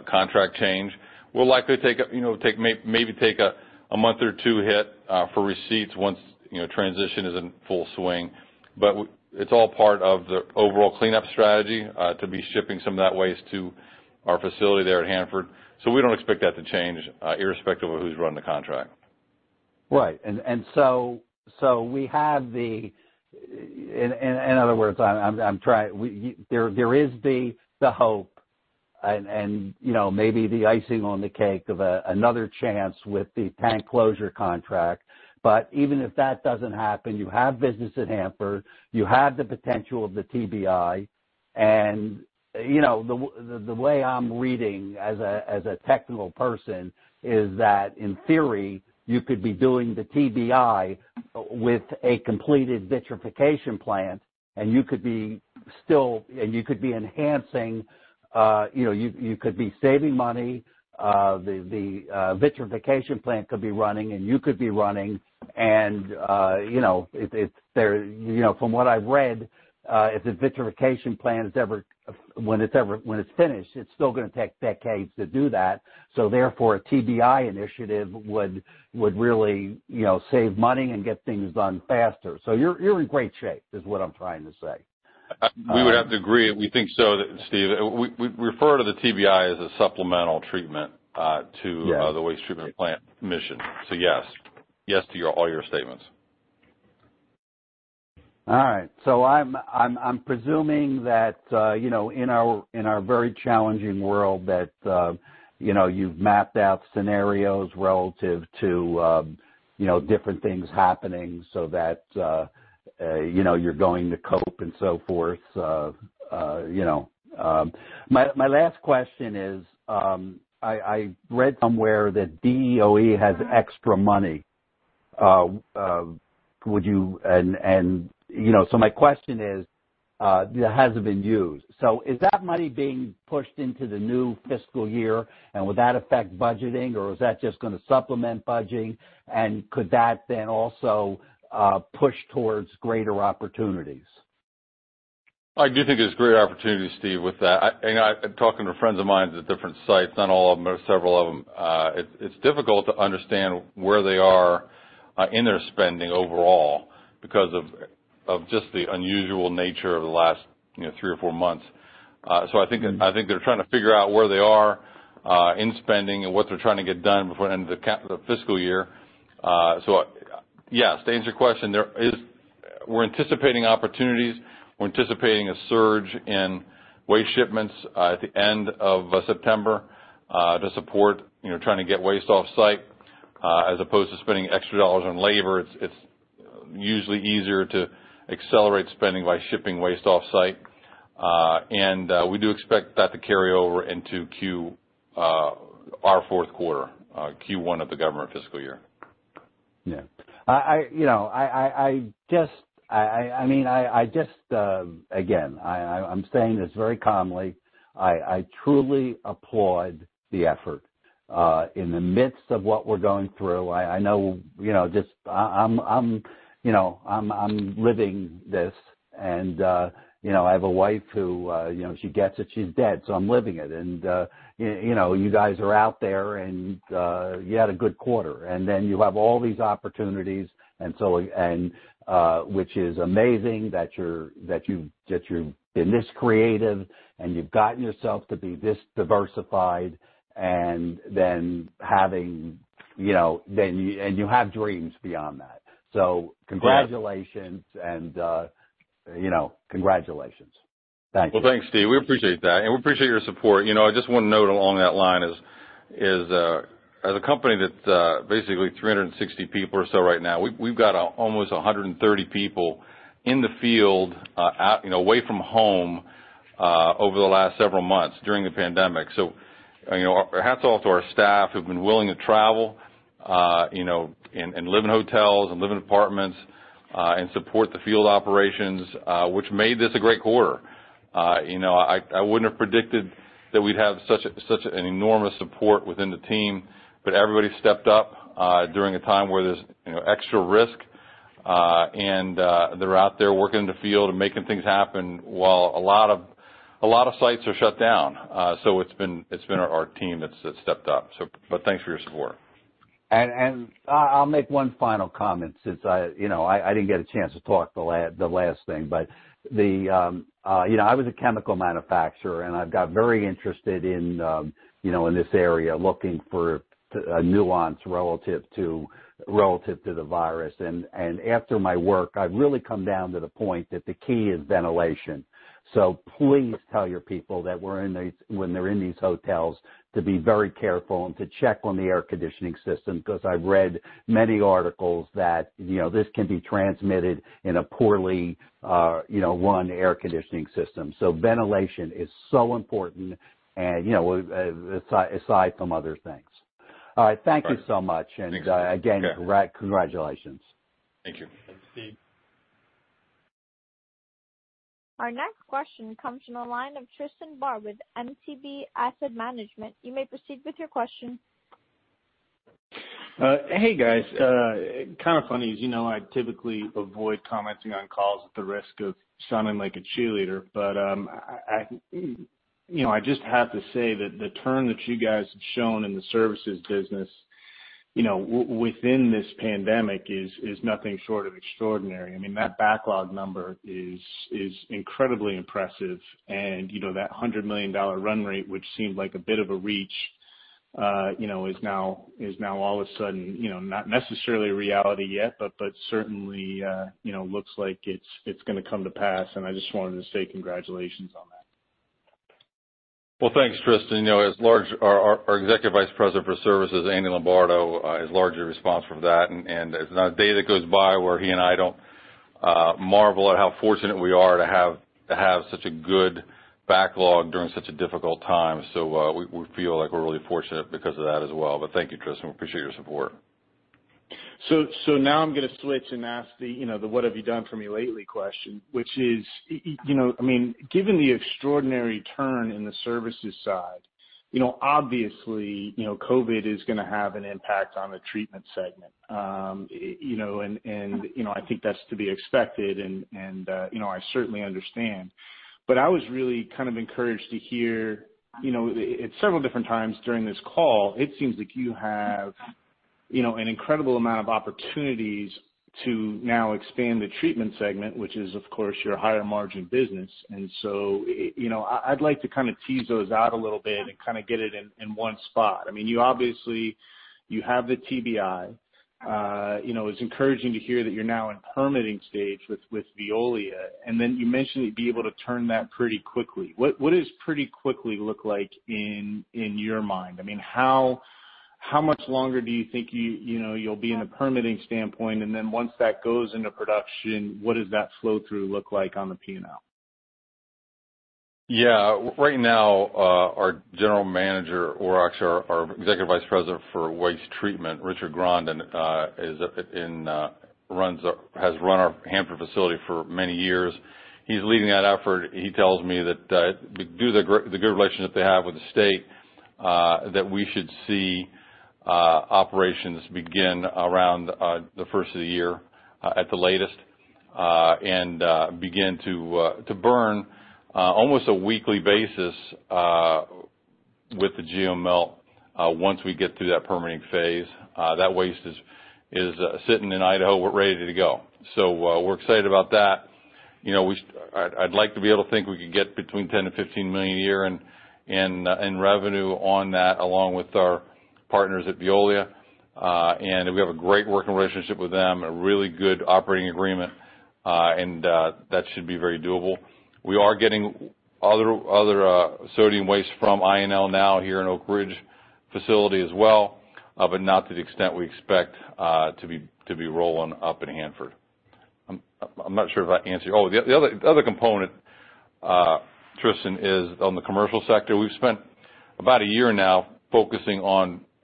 contract change. We'll likely maybe take a month or two hit for receipts once transition is in full swing. It's all part of the overall cleanup strategy to be shipping some of that waste to our facility there at Hanford. We don't expect that to change, irrespective of who's running the contract. Right. In other words, there is the hope and maybe the icing on the cake of another chance with the tank closure contract. Even if that doesn't happen, you have business at Hanford, you have the potential of the TBI, and the way I'm reading, as a technical person, is that in theory, you could be doing the TBI with a completed vitrification plant, and you could be saving money. The vitrification plant could be running, and you could be running, and from what I've read, if the vitrification plant, when it's finished, it's still going to take decades to do that. Therefore, a TBI initiative would really save money and get things done faster. You're in great shape, is what I'm trying to say. We would have to agree. We think so, Steven. We refer to the TBI as a supplemental treatment to- Yes the waste treatment plant mission. Yes. Yes to all your statements. All right. I'm presuming that in our very challenging world that you've mapped out scenarios relative to different things happening so that you're going to cope and so forth. My last question is, I read somewhere that DOE has extra money. My question is, it hasn't been used. Is that money being pushed into the new fiscal year, and will that affect budgeting, or is that just going to supplement budgeting? Could that then also push towards greater opportunities? I do think there's great opportunities, Steven, with that. Talking to friends of mine at different sites, not all of them, but several of them, it's difficult to understand where they are in their spending overall because of just the unusual nature of the last three or four months. I think they're trying to figure out where they are in spending and what they're trying to get done before the end of the fiscal year. Yes, to answer your question, we're anticipating opportunities. We're anticipating a surge in waste shipments at the end of September to support trying to get waste off-site. As opposed to spending extra dollars on labor, it's usually easier to accelerate spending by shipping waste off-site. We do expect that to carry over into our fourth quarter, Q1 of the government fiscal year. Yeah. Again, I'm saying this very calmly. I truly applaud the effort. In the midst of what we're going through, I'm living this, and I have a wife who, she gets it, she's dead, so I'm living it. You guys are out there, and you had a good quarter. You have all these opportunities, which is amazing that you've been this creative, and you've gotten yourself to be this diversified, and you have dreams beyond that. Congratulations. Thank you. Thanks, Steve. We appreciate that, and we appreciate your support. I just want to note along that line is, as a company that's basically 360 people or so right now, we've got almost 130 people in the field away from home over the last several months during the pandemic. Hats off to our staff who've been willing to travel and live in hotels and live in apartments, and support the field operations, which made this a great quarter. I wouldn't have predicted that we'd have such an enormous support within the team, but everybody stepped up during a time where there's extra risk. They're out there working in the field and making things happen while a lot of sites are shut down. It's been our team that's stepped up. Thanks for your support. I'll make one final comment since I didn't get a chance to talk the last thing. I was a chemical manufacturer, and I've got very interested in this area, looking for a nuance relative to the virus. After my work, I've really come down to the point that the key is ventilation. Please tell your people that when they're in these hotels, to be very careful and to check on the air conditioning system because I've read many articles that this can be transmitted in a poorly run air conditioning system. Ventilation is so important aside from other things. All right. All right. Thank you so much. Thanks. Again, congratulations. Thank you. Thanks, Steve. Our next question comes from the line of Tristan Barr with MTB Asset Management. You may proceed with your question. Hey, guys. Kind of funny, as you know I typically avoid commenting on calls at the risk of sounding like a cheerleader, but I just have to say that the turn that you guys have shown in the services business within this pandemic is nothing short of extraordinary. That backlog number is incredibly impressive. That $100 million run rate, which seemed like a bit of a reach, is now all of a sudden not necessarily a reality yet, but certainly looks like it's going to come to pass, and I just wanted to say congratulations on that. Thanks, Tristan. Our Executive Vice President for Services, Andrew Lombardo, is largely responsible for that, and there's not a day that goes by where he and I don't marvel at how fortunate we are to have such a good backlog during such a difficult time. We feel like we're really fortunate because of that as well. Thank you, Tristan. We appreciate your support. Now I'm going to switch and ask the what have you done for me lately question, which is, given the extraordinary turn in the services side, obviously COVID is going to have an impact on the treatment segment. I think that's to be expected and I certainly understand, but I was really kind of encouraged to hear at several different times during this call, it seems like you have an incredible amount of opportunities to now expand the treatment segment, which is, of course, your higher margin business. I'd like to kind of tease those out a little bit and kind of get it in one spot. You obviously have the TBI. It's encouraging to hear that you're now in permitting stage with Veolia, and then you mentioned you'd be able to turn that pretty quickly. What does pretty quickly look like in your mind? How much longer do you think you'll be in a permitting standpoint, and then once that goes into production, what does that flow through look like on the P&L? Right now, our General Manager, or actually our Executive Vice President for Waste Treatment, Richard Grondin, has run our Hanford facility for many years. He's leading that effort. He tells me that due to the good relationship they have with the state, that we should see operations begin around the first of the year at the latest, and begin to burn almost a weekly basis with the GeoMelt once we get through that permitting phase. That waste is sitting in Idaho, ready to go. We're excited about that. I'd like to be able to think we could get between $10 million-$15 million a year in revenue on that, along with our partners at Veolia. We have a great working relationship with them, a really good operating agreement, and that should be very doable. We are getting other sodium waste from INL now here in Oak Ridge facility as well. Not to the extent we expect to be rolling up in Hanford. I'm not sure if I answered the other component, Tristan, is on the commercial sector. We've spent about a year now focusing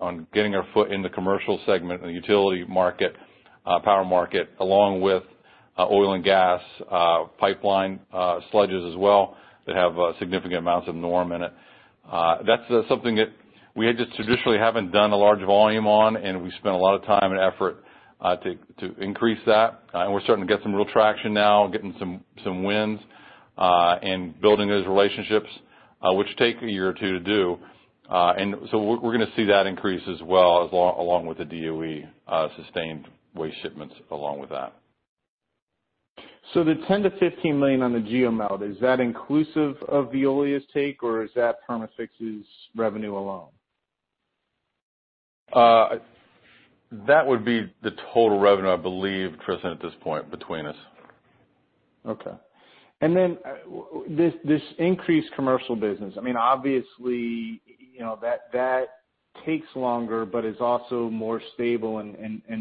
on getting our foot in the commercial segment and the utility market, power market, along with oil and gas pipeline sludges as well, that have significant amounts of NORM in it. That's something that we just traditionally haven't done a large volume on, and we've spent a lot of time and effort to increase that. We're starting to get some real traction now, getting some wins, and building those relationships, which take a year or two to do. We're going to see that increase as well, along with the DOE sustained waste shipments along with that. The $10 million-$15 million on the GeoMelt, is that inclusive of Veolia's take, or is that Perma-Fix's revenue alone? That would be the total revenue, I believe, Tristan, at this point, between us. Okay. This increased commercial business. Obviously, that takes longer but is also more stable and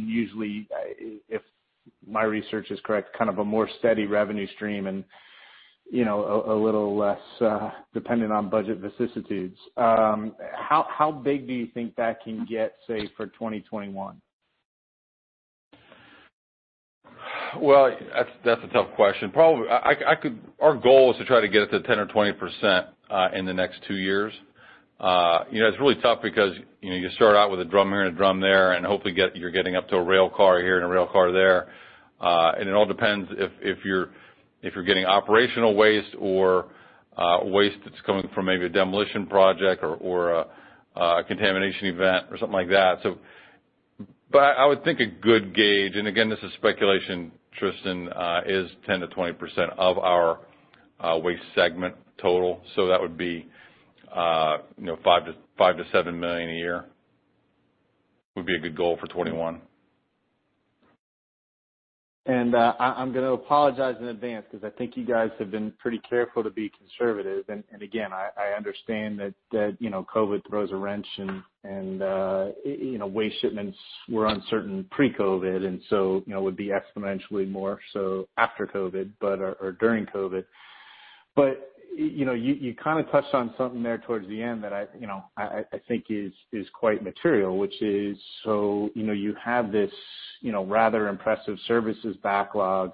usually, if my research is correct, kind of a more steady revenue stream and a little less dependent on budget vicissitudes. How big do you think that can get say, for 2021? Well, that's a tough question. Our goal is to try to get it to 10% or 20% in the next two years. It's really tough because you start out with a drum here and a drum there, and hopefully you're getting up to a rail car here and a rail car there. It all depends if you're getting operational waste or waste that's coming from maybe a demolition project or a contamination event or something like that. I would think a good gauge, and again, this is speculation, Tristan, is 10%-20% of our waste segment total. That would be $5 million-$7 million a year would be a good goal for 2021. I'm going to apologize in advance because I think you guys have been pretty careful to be conservative. I understand that COVID throws a wrench and waste shipments were uncertain pre-COVID, and so would be exponentially more so after COVID or during COVID. You kind of touched on something there towards the end that I think is quite material, which is, so you have this rather impressive services backlog.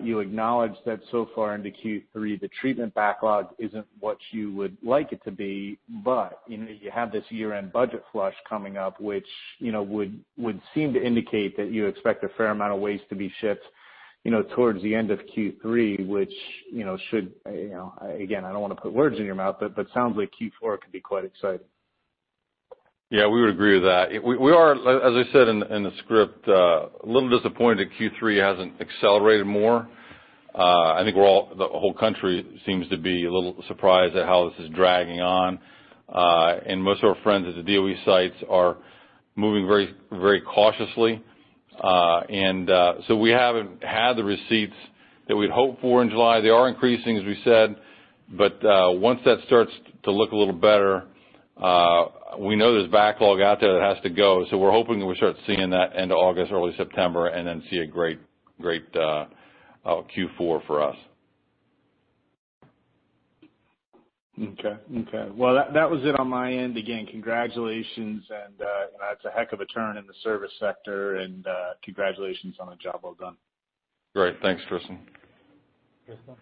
You acknowledge that so far into Q3, the treatment backlog isn't what you would like it to be. You have this year-end budget flush coming up, which would seem to indicate that you expect a fair amount of waste to be shipped towards the end of Q3, which should, again, I don't want to put words in your mouth, but sounds like Q4 could be quite exciting. Yeah, we would agree with that. We are, as I said in the script, a little disappointed Q3 hasn't accelerated more. I think the whole country seems to be a little surprised at how this is dragging on. Most of our friends at the DOE sites are moving very cautiously. We haven't had the receipts that we'd hoped for in July. They are increasing, as we said. Once that starts to look a little better, we know there's backlog out there that has to go. We're hoping that we start seeing that end of August, early September, and then see a great Q4 for us. Okay. Well, that was it on my end. Again, congratulations, and that's a heck of a turn in the service sector, and congratulations on a job well done. Great. Thanks, Tristan. Thank you.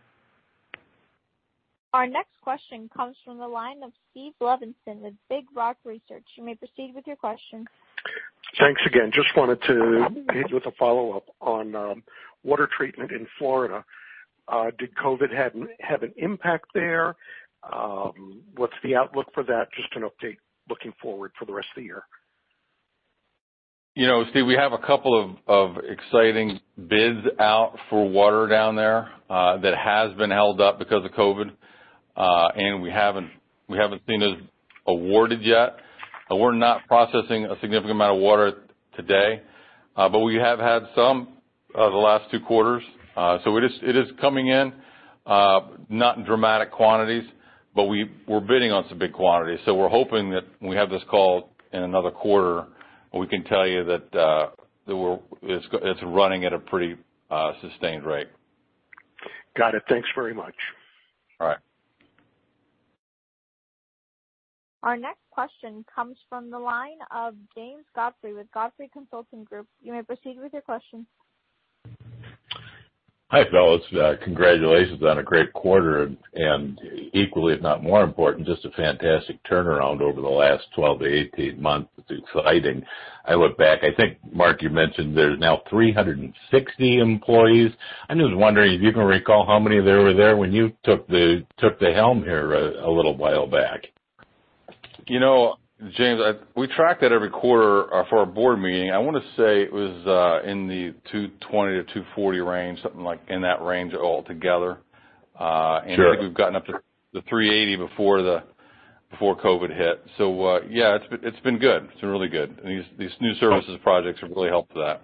Our next question comes from the line of Stephen Levenson with Big Rock Research. You may proceed with your question. Thanks again. Just wanted to hit you with a follow-up on water treatment in Florida. Did COVID have an impact there? What's the outlook for that? Just an update looking forward for the rest of the year. Steve, we have a couple of exciting bids out for water down there that has been held up because of COVID-19. We haven't seen it awarded yet. We're not processing a significant amount of water today. We have had some the last two quarters. It is coming in, not in dramatic quantities, but we're bidding on some big quantities. We're hoping that when we have this call in another quarter, we can tell you that it's running at a pretty sustained rate. Got it. Thanks very much. All right. Our next question comes from the line of James Godfrey with Godfrey Consulting Group. You may proceed with your question. Hi, fellas. Congratulations on a great quarter and equally, if not more important, just a fantastic turnaround over the last 12-18 months. It's exciting. I look back, I think, Mark, you mentioned there's now 360 employees. I'm just wondering if you can recall how many there were there when you took the helm here a little while back. James, we track that every quarter for our board meeting. I want to say it was in the 220-240 range, something like in that range altogether. Sure. I think we've gotten up to the 380 before COVID hit. Yeah, it's been good. It's been really good. These new services projects have really helped that.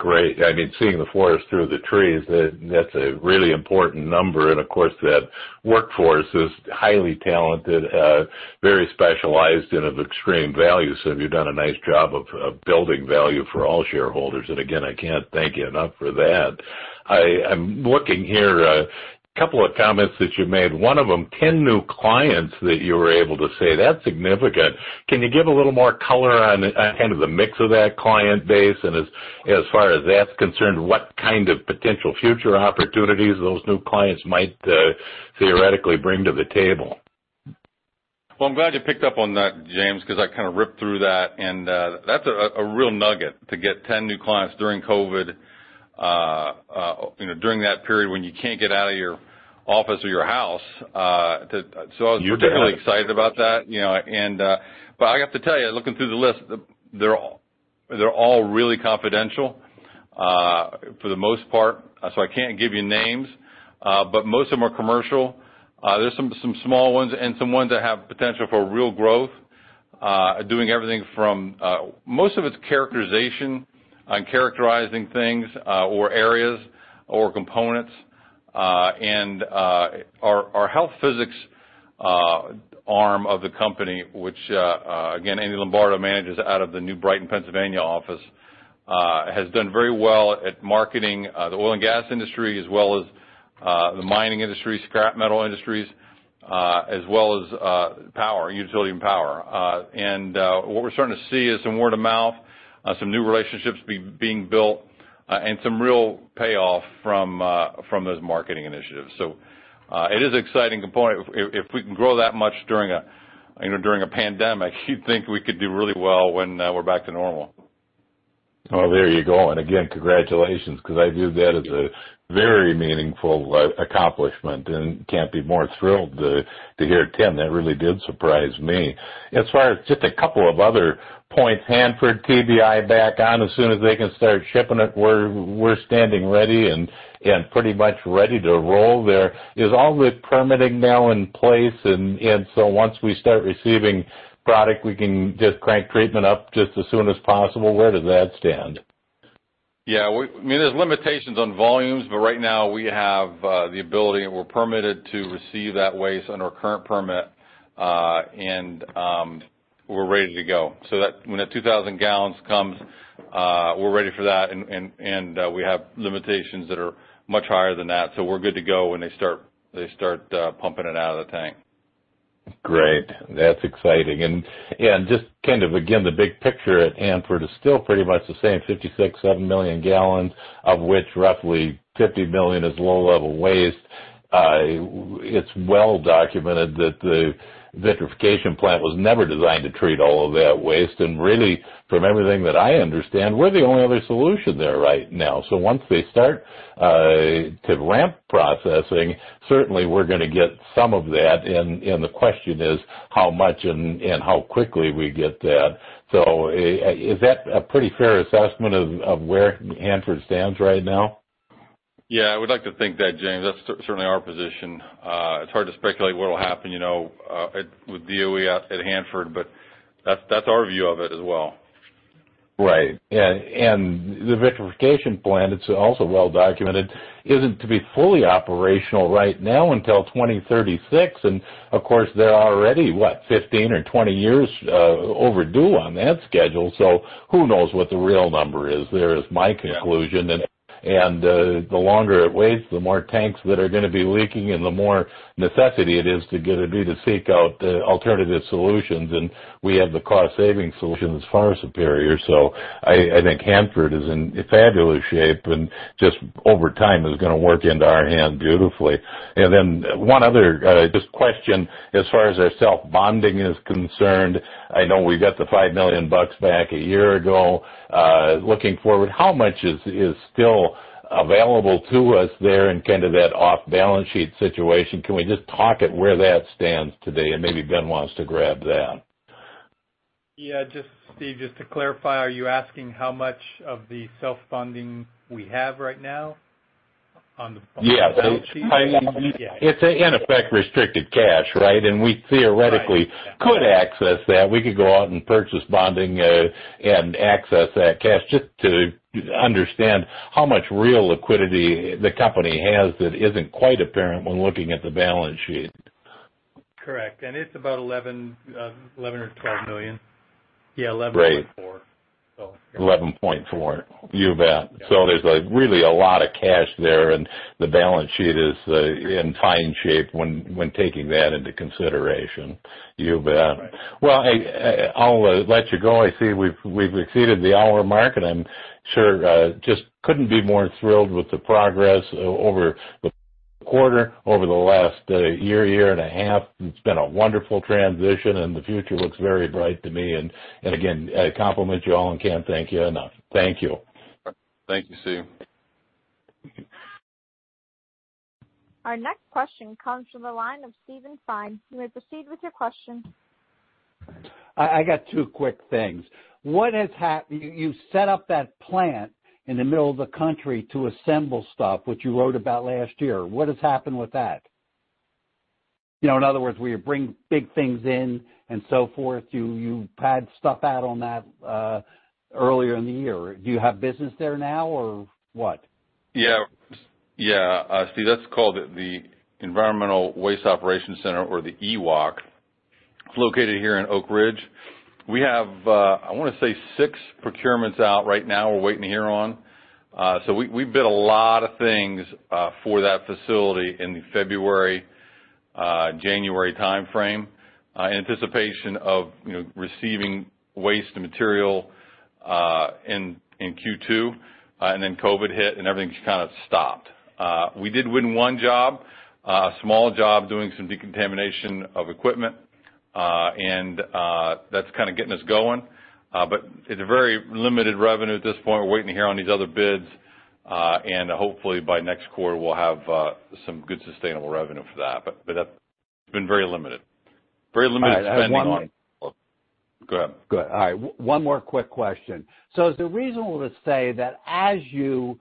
Great. Seeing the forest through the trees, that's a really important number. Of course, that workforce is highly talented, very specialized, and of extreme value. You've done a nice job of building value for all shareholders. Again, I can't thank you enough for that. I'm looking here, a couple of comments that you made, one of them, 10 new clients that you were able to say. That's significant. Can you give a little more color on kind of the mix of that client base and as far as that's concerned, what kind of potential future opportunities those new clients might theoretically bring to the table? Well, I'm glad you picked up on that, James, because I kind of ripped through that, and that's a real nugget to get 10 new clients during COVID-19, during that period when you can't get out of your office or your house. You bet. I was particularly excited about that. I have to tell you, looking through the list, they're all really confidential for the most part, so I can't give you names. Most of them are commercial. There's some small ones and some ones that have potential for real growth. Most of it's characterization on characterizing things or areas or components. Our health physics arm of the company, which again, Andrew Lombardo manages out of the New Brighton, Pennsylvania office has done very well at marketing the oil and gas industry, as well as the mining industry, scrap metal industries, as well as power, utility and power. What we're starting to see is some word of mouth, some new relationships being built, and some real payoff from those marketing initiatives. It is an exciting component. If we can grow that much during a pandemic, you'd think we could do really well when we're back to normal. Well, there you go. Again, congratulations, because I view that as a very meaningful accomplishment and can't be more thrilled to hear 10. That really did surprise me. As far as just a couple of other points, Hanford TBI back on as soon as they can start shipping it, we're standing ready and pretty much ready to roll there. Is all the permitting now in place and so once we start receiving product, we can just crank treatment up just as soon as possible? Where does that stand? Yeah. There's limitations on volumes. Right now we have the ability and we're permitted to receive that waste under our current permit. We're ready to go. When that 2,000 gallons comes, we're ready for that, and we have limitations that are much higher than that. We're good to go when they start pumping it out of the tank. Great. That's exciting. Just kind of, again, the big picture at Hanford is still pretty much the same 56.7 million gallons, of which roughly 50 million is low-level waste. It's well documented that the vitrification plant was never designed to treat all of that waste, and really, from everything that I understand, we're the only other solution there right now. Once they start to ramp processing, certainly we're going to get some of that. The question is how much and how quickly we get that. Is that a pretty fair assessment of where Hanford stands right now? Yeah, I would like to think that, James. That's certainly our position. It's hard to speculate what'll happen with DOE at Hanford, but that's our view of it as well. Right. Yeah, and the vitrification plant, it's also well documented, isn't to be fully operational right now until 2036, and of course, they're already, what, 15 or 20 years overdue on that schedule, so who knows what the real number is there, is my conclusion. Yeah. The longer it waits, the more tanks that are going to be leaking, and the more necessity it is to seek out alternative solutions. We have the cost-saving solution that's far superior. I think Hanford is in fabulous shape, and just over time is going to work into our hand beautifully. Then one other just question, as far as our self-bonding is concerned, I know we got the $5 million back a year ago. Looking forward, how much is still available to us there in kind of that off-balance sheet situation? Can we just talk at where that stands today? Maybe Ben wants to grab that. Yeah, James, just to clarify, are you asking how much of the self-bonding we have right now on the balance sheet? Yeah. It's, in effect, restricted cash, right? Right. Yeah. We theoretically could access that. We could go out and purchase bonding and access that cash. Just to understand how much real liquidity the company has that isn't quite apparent when looking at the balance sheet. Correct. It's about $11 million or $12 million. Yeah, $11.4 million. Great. $11.4. You bet. There's really a lot of cash there, and the balance sheet is in fine shape when taking that into consideration. You bet. Right. Well, I'll let you go. I see we've exceeded the hour mark. I sure just couldn't be more thrilled with the progress over the quarter, over the last year and a half. It's been a wonderful transition and the future looks very bright to me. Again, I compliment you all and can't thank you enough. Thank you. Thank you, James. Our next question comes from the line of Steven Fine. You may proceed with your question. I got two quick things. You set up that plant in the middle of the country to assemble stuff, which you wrote about last year. What has happened with that? In other words, where you bring big things in and so forth. You pad stuff out on that earlier in the year. Do you have business there now or what? Yeah. Steven, that's called the Environmental Waste Operations Center, or the EWOC. It's located here in Oak Ridge. We have, I want to say, six procurements out right now we're waiting to hear on. We bid a lot of things for that facility in the February, January timeframe in anticipation of receiving waste and material in Q2, COVID hit and everything just kind of stopped. We did win one job, a small job doing some decontamination of equipment, that's kind of getting us going. It's a very limited revenue at this point. We're waiting to hear on these other bids. Hopefully by next quarter, we'll have some good sustainable revenue for that. It's been very limited. Very limited spend on it. All right, I have one more. Go ahead. Good. All right. One more quick question. Is it reasonable to say that as you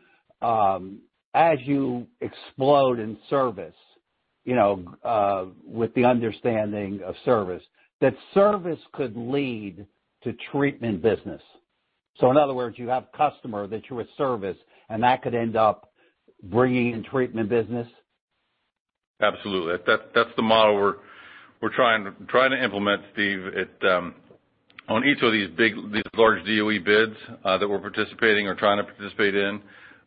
explode in service, with the understanding of service, that service could lead to treatment business? In other words, you have a customer that you would service, and that could end up bringing in treatment business? Absolutely. That's the model we're trying to implement, Steve. On each of these large DOE bids that we're participating or trying to participate in,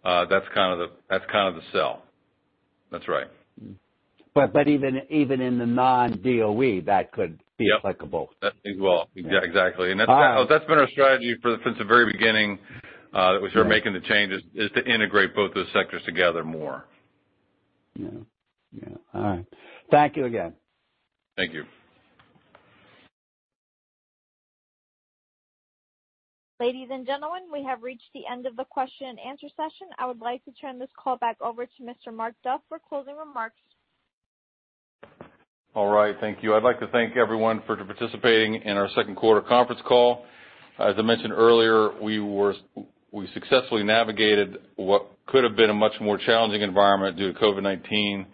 that's kind of the sell. That's right. Even in the non-DOE, that could be applicable. Yeah. As well. Yeah, exactly. All right. That's been our strategy since the very beginning that we started making the changes, is to integrate both those sectors together more. Yeah. All right. Thank you again. Thank you. Ladies and gentlemen, we have reached the end of the question-and-answer session. I would like to turn this call back over to Mr. Mark Duff for closing remarks. All right, thank you. I'd like to thank everyone for participating in our second quarter conference call. As I mentioned earlier, we successfully navigated what could have been a much more challenging environment due to COVID-19,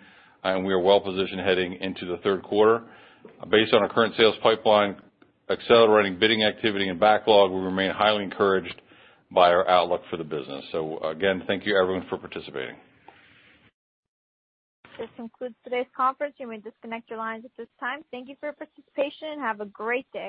and we are well-positioned heading into the third quarter. Based on our current sales pipeline, accelerating bidding activity and backlog, we remain highly encouraged by our outlook for the business. Again, thank you everyone for participating. This concludes today's conference. You may disconnect your lines at this time. Thank you for your participation and have a great day.